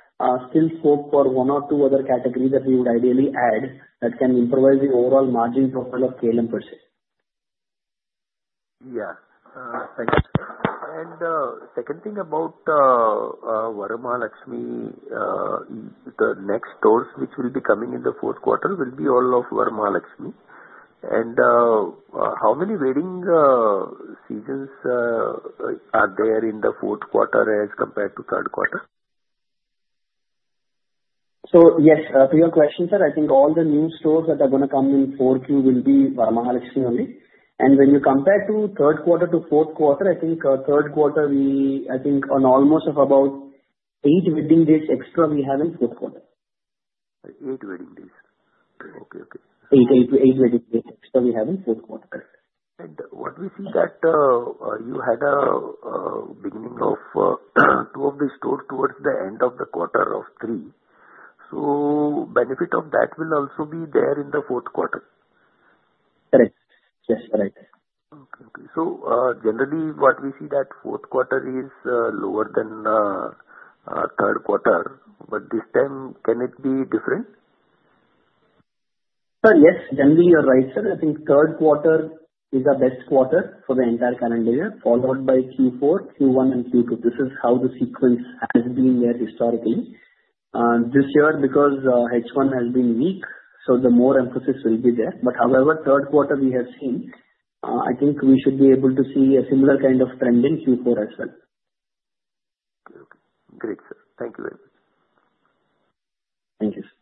still scope for one or two other categories that we would ideally add that can improvise the overall margin profile of KLM per se. Yes. Thank you. And second thing about Varamahalakshmi, the next stores which will be coming in the fourth quarter will be all of Varamahalakshmi. And how many wedding seasons are there in the fourth quarter as compared to third quarter? Yes, to your question, sir, I think all the new stores that are going to come in fourth Q will be Varamahalakshmi only. When you compare third quarter to fourth quarter, I think third quarter. I think on almost about eight wedding days extra, we have in fourth quarter. Eight wedding days. Okay. Okay. Eight wedding days extra we have in fourth quarter. What we see is that you had the opening of two stores towards the end of the third quarter. The benefit of that will also be there in the fourth quarter. Correct. Yes, correct. Okay. So generally, what we see that fourth quarter is lower than third quarter. But this time, can it be different? Yes. Generally, you're right, sir. I think third quarter is the best quarter for the entire calendar year, followed by Q4, Q1, and Q2. This is how the sequence has been there historically. This year, because H1 has been weak, so the more emphasis will be there. But however, third quarter we have seen, I think we should be able to see a similar kind of trend in Q4 as well. Okay. Great, sir. Thank you very much. Thank you, sir.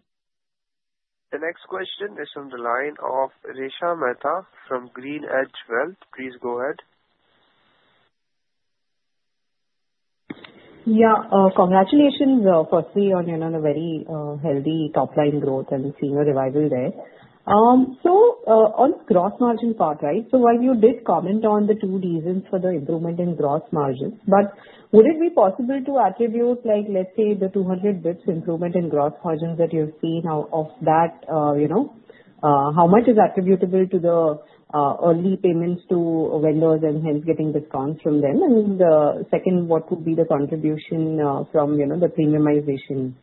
The next question is from the line of Resha Mehta from GreenEdge Wealth. Please go ahead. Yeah. Congratulations for Q3 on a very healthy top-line growth and SSSG revival there. So on the gross margin part, right, so while you did comment on the two reasons for the improvement in gross margins, but would it be possible to attribute, let's say, the 200 basis points improvement in gross margins that you've seen of that? How much is attributable to the early payments to vendors and hence getting discounts from them? And second, what would be the contribution from the premiumization?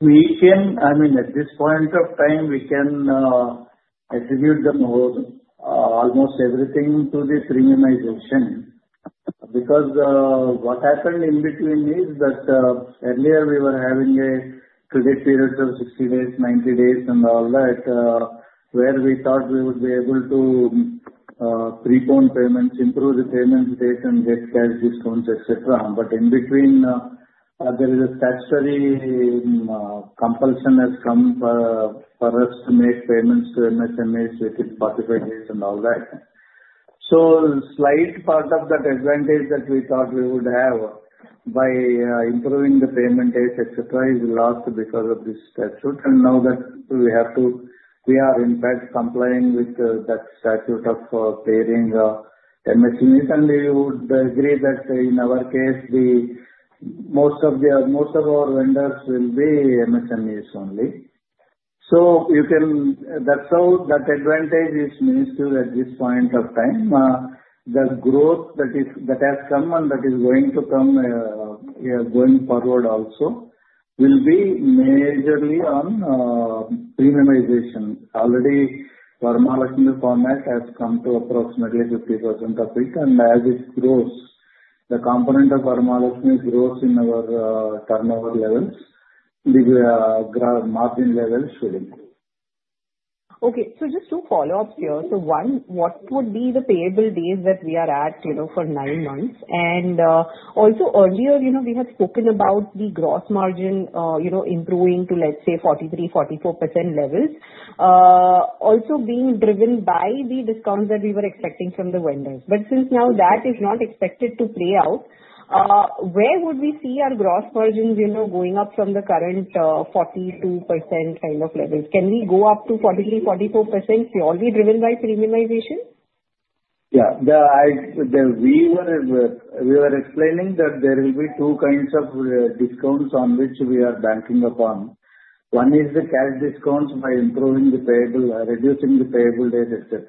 We can, I mean, at this point of time, we can attribute almost everything to the premiumization. Because what happened in between is that earlier, we were having a credit period of 60 days, 90 days, and all that, where we thought we would be able to prepone payments, improve the payment date, and get cash discounts, etc. But in between, there is a statutory compulsion that's come for us to make payments to MSMEs within 45 days and all that. So slight part of that advantage that we thought we would have by improving the payment date, etc., is lost because of this statute. And now that we have to, we are in fact complying with that statute of paying MSMEs. And you would agree that in our case, most of our vendors will be MSMEs only. So that advantage is missed at this point of time. The growth that has come and that is going to come going forward also will be majorly on premiumization. Already, Varamahalakshmi format has come to approximately 50% of it. And as it grows, the component of Varamahalakshmi grows in our turnover levels. The margin levels should improve. Okay. So just two follow-ups here. So one, what would be the payable days that we are at for nine months? And also, earlier, we had spoken about the gross margin improving to, let's say, 43%-44% levels, also being driven by the discounts that we were expecting from the vendors. But since now that is not expected to play out, where would we see our gross margins going up from the current 42% kind of levels? Can we go up to 43%-44% purely driven by premiumization? Yeah. We were explaining that there will be two kinds of discounts on which we are banking upon. One is the cash discounts by improving the payable, reducing the payable date, etc.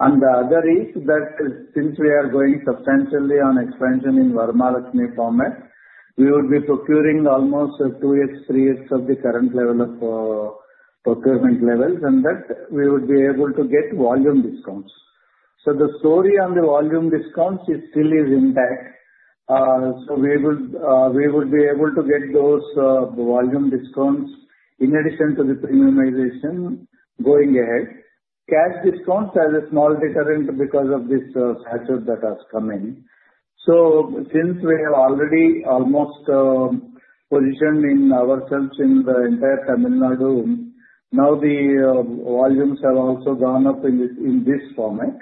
And the other is that since we are going substantially on expansion in Varamahalakshmi format, we would be procuring almost two years, three years of the current level of procurement levels, and that we would be able to get volume discounts. So the story on the volume discounts still is intact. So we would be able to get those volume discounts in addition to the premiumization going ahead. Cash discounts are a small deterrent because of this statute that has come in. So since we have already almost positioned ourselves in the entire Tamil Nadu, now the volumes have also gone up in this format.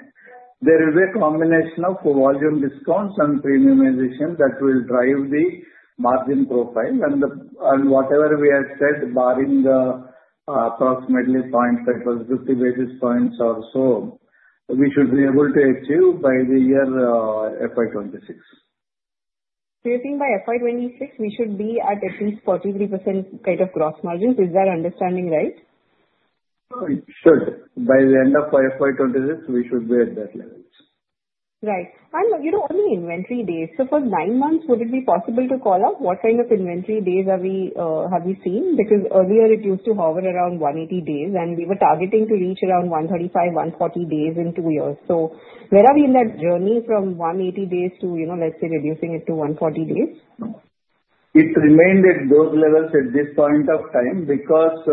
There is a combination of volume discounts and premiumization that will drive the margin profile. And whatever we have said, barring approximately 0.50 basis points or so, we should be able to achieve by the year FY26. You're saying by FY26, we should be at least 43% kind of gross margins. Is that understanding right? By the end of FY26, we should be at that level. Right. And on the inventory days, so for nine months, would it be possible to call up what kind of inventory days have we seen? Because earlier, it used to hover around 180 days, and we were targeting to reach around 135, 140 days in two years. So where are we in that journey from 180 days to, let's say, reducing it to 140 days? It remained at those levels at this point of time because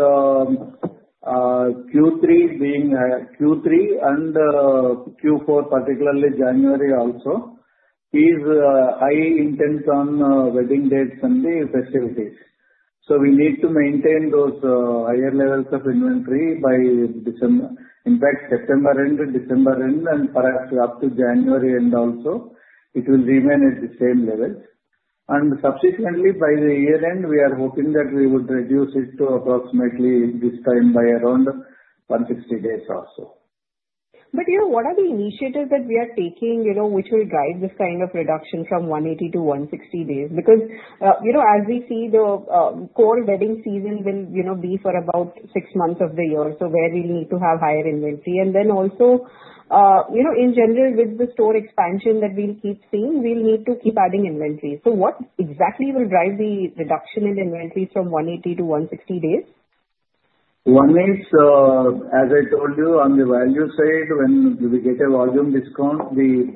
Q3 being Q3 and Q4, particularly January also, is high intent on wedding dates and the festivities, so we need to maintain those higher levels of inventory by September end, December end, and perhaps up to January end also. It will remain at the same levels, and subsequently, by the year end, we are hoping that we would reduce it to approximately this time by around 160 days also. What are the initiatives that we are taking which will guide this kind of reduction from 180 to 160 days? Because as we see, the core wedding season will be for about six months of the year, so where we'll need to have higher inventory, and then also, in general, with the store expansion that we'll keep seeing, we'll need to keep adding inventory. What exactly will drive the reduction in inventory from 180 to 160 days? One is, as I told you, on the value side, when we get a volume discount, the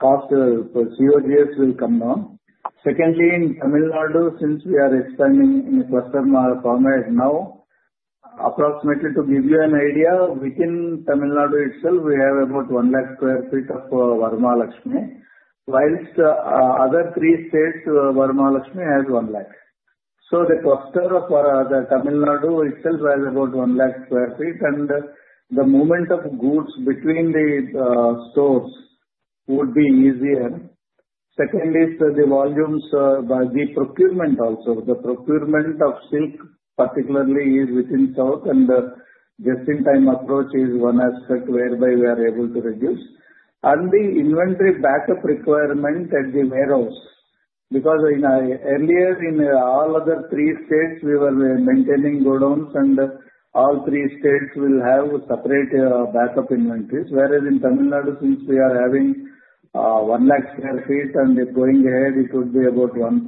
cost per COGS will come down. Secondly, in Tamil Nadu, since we are expanding in a cluster format now, approximately to give you an idea, within Tamil Nadu itself, we have about 1 lakh sq ft of Varamahalakshmi, while other three states, Varamahalakshmi has 1 lakh. So the cluster of Tamil Nadu itself has about 1 lakh sq ft, and the movement of goods between the stores would be easier. Second is the volumes by the procurement also. The procurement of silk, particularly, is within South, and just-in-time approach is one aspect whereby we are able to reduce the inventory backup requirement at the warehouse. Because earlier, in all other three states, we were maintaining godowns, and all three states will have separate backup inventories. Whereas in Tamil Nadu, since we are having 1 lakh sq ft and going ahead, it would be about 1.5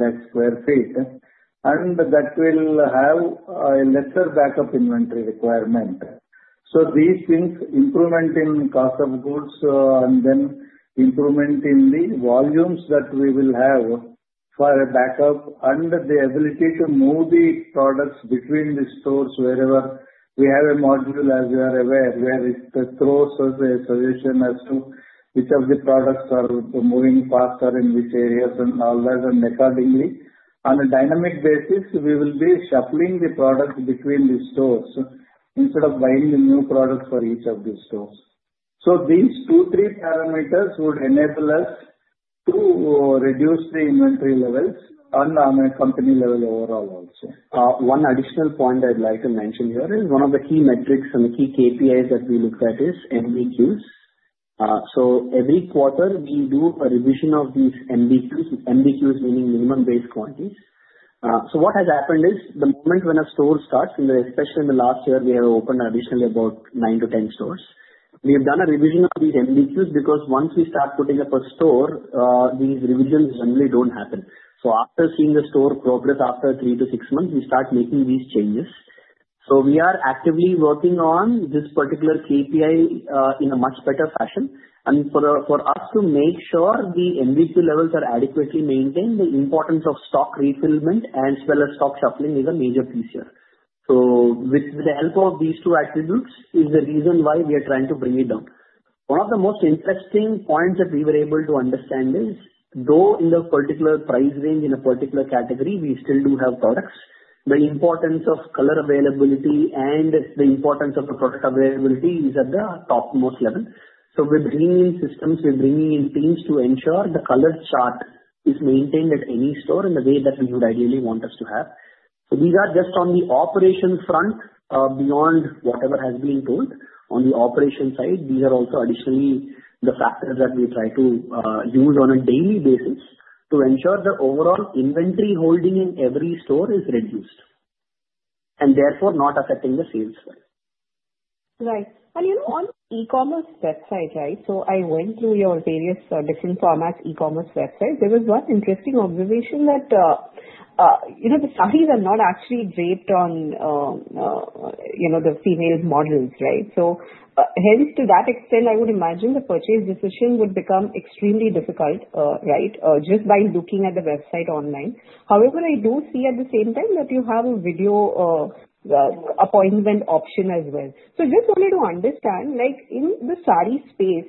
lakh sq ft. And that will have a lesser backup inventory requirement. So these things, improvement in cost of goods and then improvement in the volumes that we will have for a backup and the ability to move the products between the stores wherever we have a module, as you are aware, where it throws a suggestion as to which of the products are moving faster in which areas and all that. And accordingly, on a dynamic basis, we will be shuffling the products between the stores instead of buying the new products for each of the stores. So these two, three parameters would enable us to reduce the inventory levels and on a company level overall also. One additional point I'd like to mention here is one of the key metrics and the key KPIs that we look at is MBQs. So every quarter, we do a revision of these MBQs, MBQs meaning minimum base quantities. So what has happened is the moment when a store starts, especially in the last year, we have opened additionally about nine to 10 stores. We have done a revision of these MBQs because once we start putting up a store, these revisions generally don't happen. So after seeing the store progress after three to six months, we start making these changes. So we are actively working on this particular KPI in a much better fashion. And for us to make sure the MBQ levels are adequately maintained, the importance of stock refillment as well as stock shuffling is a major piece here. With the help of these two attributes is the reason why we are trying to bring it down. One of the most interesting points that we were able to understand is, though in the particular price range in a particular category, we still do have products, the importance of color availability and the importance of the product availability is at the topmost level. We're bringing in systems. We're bringing in teams to ensure the color chart is maintained at any store in the way that we would ideally want us to have. These are just on the operation front, beyond whatever has been told. On the operation side, these are also additionally the factors that we try to use on a daily basis to ensure the overall inventory holding in every store is reduced and therefore not affecting the sales as well. Right. And on the e-commerce website, right, so I went through your various different format e-commerce websites. There was one interesting observation that the sarees are not actually draped on the female models, right? So hence, to that extent, I would imagine the purchase decision would become extremely difficult, right, just by looking at the website online. However, I do see at the same time that you have a video appointment option as well. So just wanted to understand, in the saree space,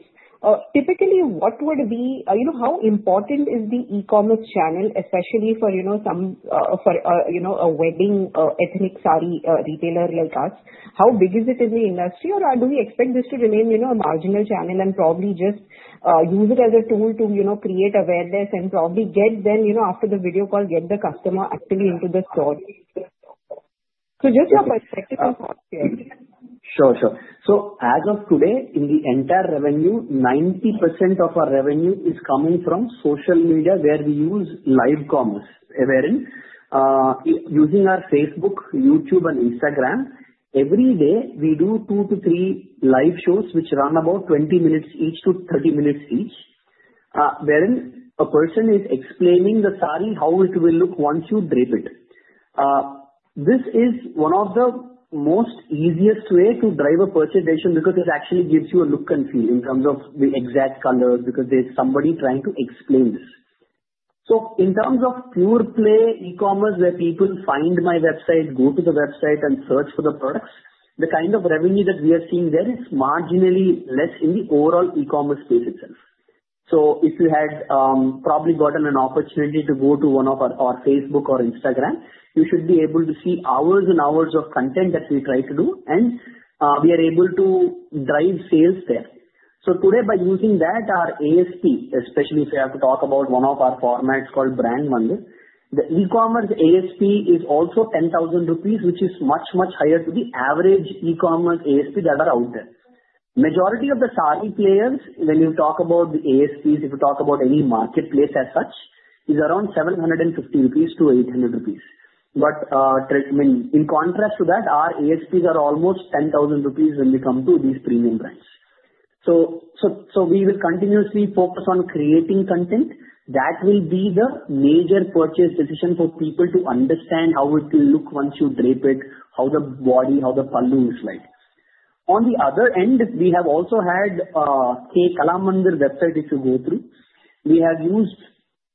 typically what would be how important is the e-commerce channel, especially for a wedding ethnic saree retailer like us? How big is it in the industry, or do we expect this to remain a marginal channel and probably just use it as a tool to create awareness and probably get them, after the video call, get the customer actually into the store? Just your perspective on cost, yeah. Sure, sure. So as of today, in the entire revenue, 90% of our revenue is coming from social media where we use live commerce. Wherein using our Facebook, YouTube, and Instagram, every day we do two to three live shows which run about 20 minutes each to 30 minutes each, wherein a person is explaining the saree, how it will look once you drape it. This is one of the most easiest ways to drive a purchase decision because it actually gives you a look and feel in terms of the exact colors because there's somebody trying to explain this. So in terms of pure play e-commerce where people find my website, go to the website, and search for the products, the kind of revenue that we are seeing there is marginally less in the overall e-commerce space itself. So if you had probably gotten an opportunity to go to one of our Facebook or Instagram, you should be able to see hours and hours of content that we try to do, and we are able to drive sales there. So today, by using that, our ASP, especially if you have to talk about one of our formats called Brand Mandir, the e-commerce ASP is also 10,000 rupees, which is much, much higher to the average e-commerce ASP that are out there. Majority of the saree players, when you talk about the ASPs, if you talk about any marketplace as such, is around 750-800 rupees. But in contrast to that, our ASPs are almost 10,000 rupees when we come to these premium brands. We will continuously focus on creating content that will be the major purchase decision for people to understand how it will look once you drape it, how the body, how the pallu is like. On the other end, we have also had, say, Kalamandir website if you go through, we have used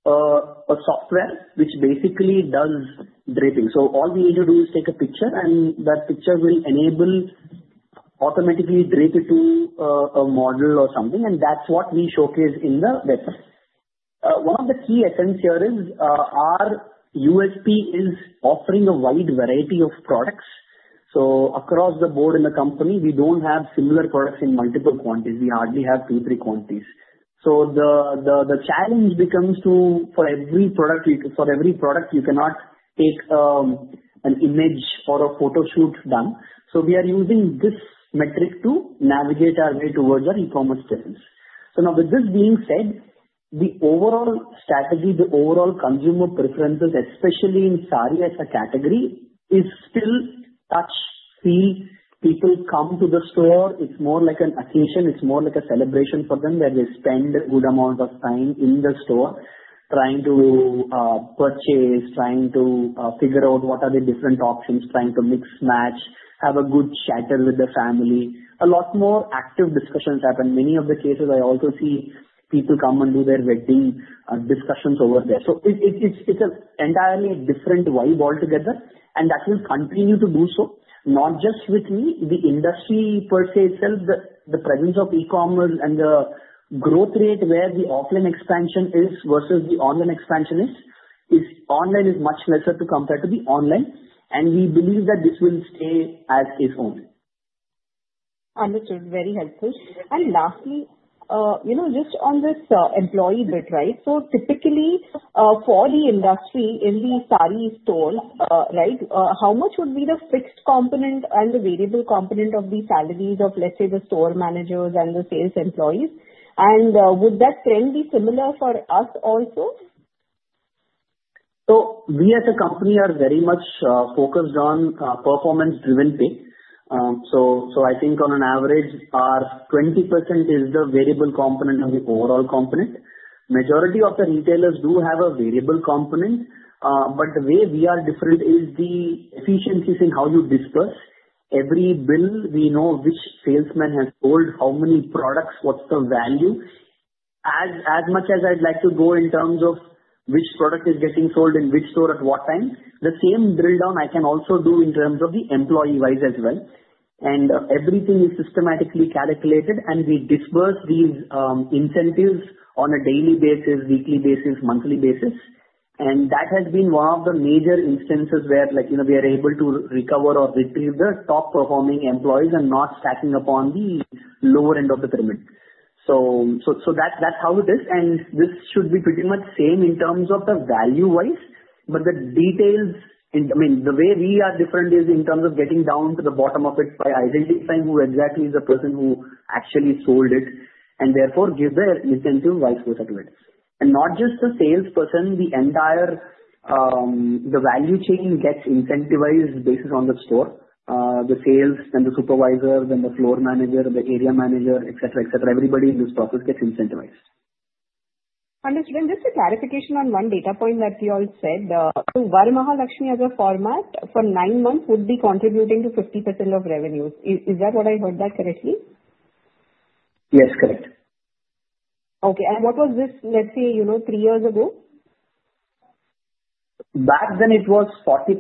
a software which basically does draping. So all we need to do is take a picture, and that picture will enable automatically drape it to a model or something, and that's what we showcase in the website. One of the key essence here is our USP is offering a wide variety of products. So across the board in the company, we don't have similar products in multiple quantities. We hardly have two, three quantities. So the challenge becomes for every product, you cannot take an image or a photo shoot done. We are using this metric to navigate our way towards our e-commerce business. Now, with this being said, the overall strategy, the overall consumer preferences, especially in saree as a category, is still touch, feel. People come to the store. It's more like an occasion. It's more like a celebration for them where they spend a good amount of time in the store trying to purchase, trying to figure out what are the different options, trying to mix match, have a good chatter with the family. A lot more active discussions happen. In many of the cases, I also see people come and do their wedding discussions over there. It's an entirely different vibe altogether, and that will continue to do so, not just with me. The industry per se itself, the presence of e-commerce and the growth rate where the offline expansion is versus the online expansion is, online is much lesser to compare to the online, and we believe that this will stay as is only. Understood. Very helpful. And lastly, just on this employee bit, right? So typically, for the industry in the saree stores, right, how much would be the fixed component and the variable component of the salaries of, let's say, the store managers and the sales employees? And would that trend be similar for us also? We as a company are very much focused on performance-driven pay. I think on an average, our 20% is the variable component of the overall component. Majority of the retailers do have a variable component, but the way we are different is the efficiencies in how you disperse. Every bill, we know which salesman has sold how many products, what's the value. As much as I'd like to go in terms of which product is getting sold in which store at what time, the same drill down I can also do in terms of the employee-wise as well. Everything is systematically calculated, and we disperse these incentives on a daily basis, weekly basis, monthly basis. That has been one of the major instances where we are able to recover or retrieve the top-performing employees and not stacking upon the lower end of the pyramid. So that's how it is. And this should be pretty much same in terms of the value-wise, but the details, I mean, the way we are different is in terms of getting down to the bottom of it by identifying who exactly is the person who actually sold it and therefore give the incentive vice versa to it. And not just the salesperson, the entire value chain gets incentivized based on the store, the sales, then the supervisor, then the floor manager, the area manager, etc., etc. Everybody in this process gets incentivized. Understood. And just a clarification on one data point that you all said. So Varamahalakshmi as a format for nine months would be contributing to 50% of revenues. Is that what I heard correctly? Yes, correct. Okay. What was this, let's say, three years ago? Back then, it was 40%.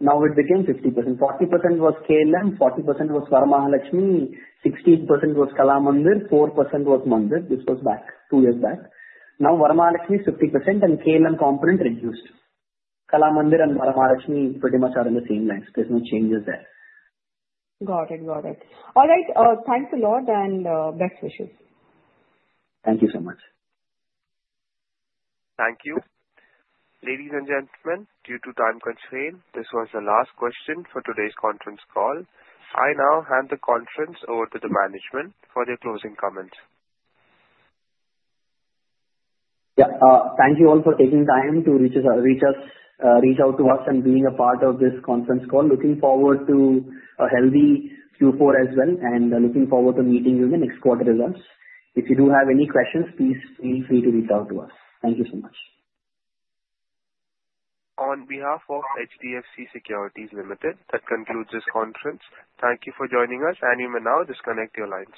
Now it became 50%. 40% was KLM, 40% was Varamahalakshmi, 60% was Kalamandir, 4% was Mandir. This was back two years back. Now Varamahalakshmi is 50%, and KLM component reduced. Kalamandir and Varamahalakshmi pretty much are in the same lines. There's no changes there. Got it. Got it. All right. Thanks a lot and best wishes. Thank you so much. Thank you. Ladies and gentlemen, due to time constraint, this was the last question for today's conference call. I now hand the conference over to the management for their closing comments. Yeah. Thank you all for taking time to reach out to us and being a part of this conference call. Looking forward to a healthy Q4 as well and looking forward to meeting you in the next quarter results. If you do have any questions, please feel free to reach out to us. Thank you so much. On behalf of HDFC Securities Limited, that concludes this conference. Thank you for joining us, and you may now disconnect your lines.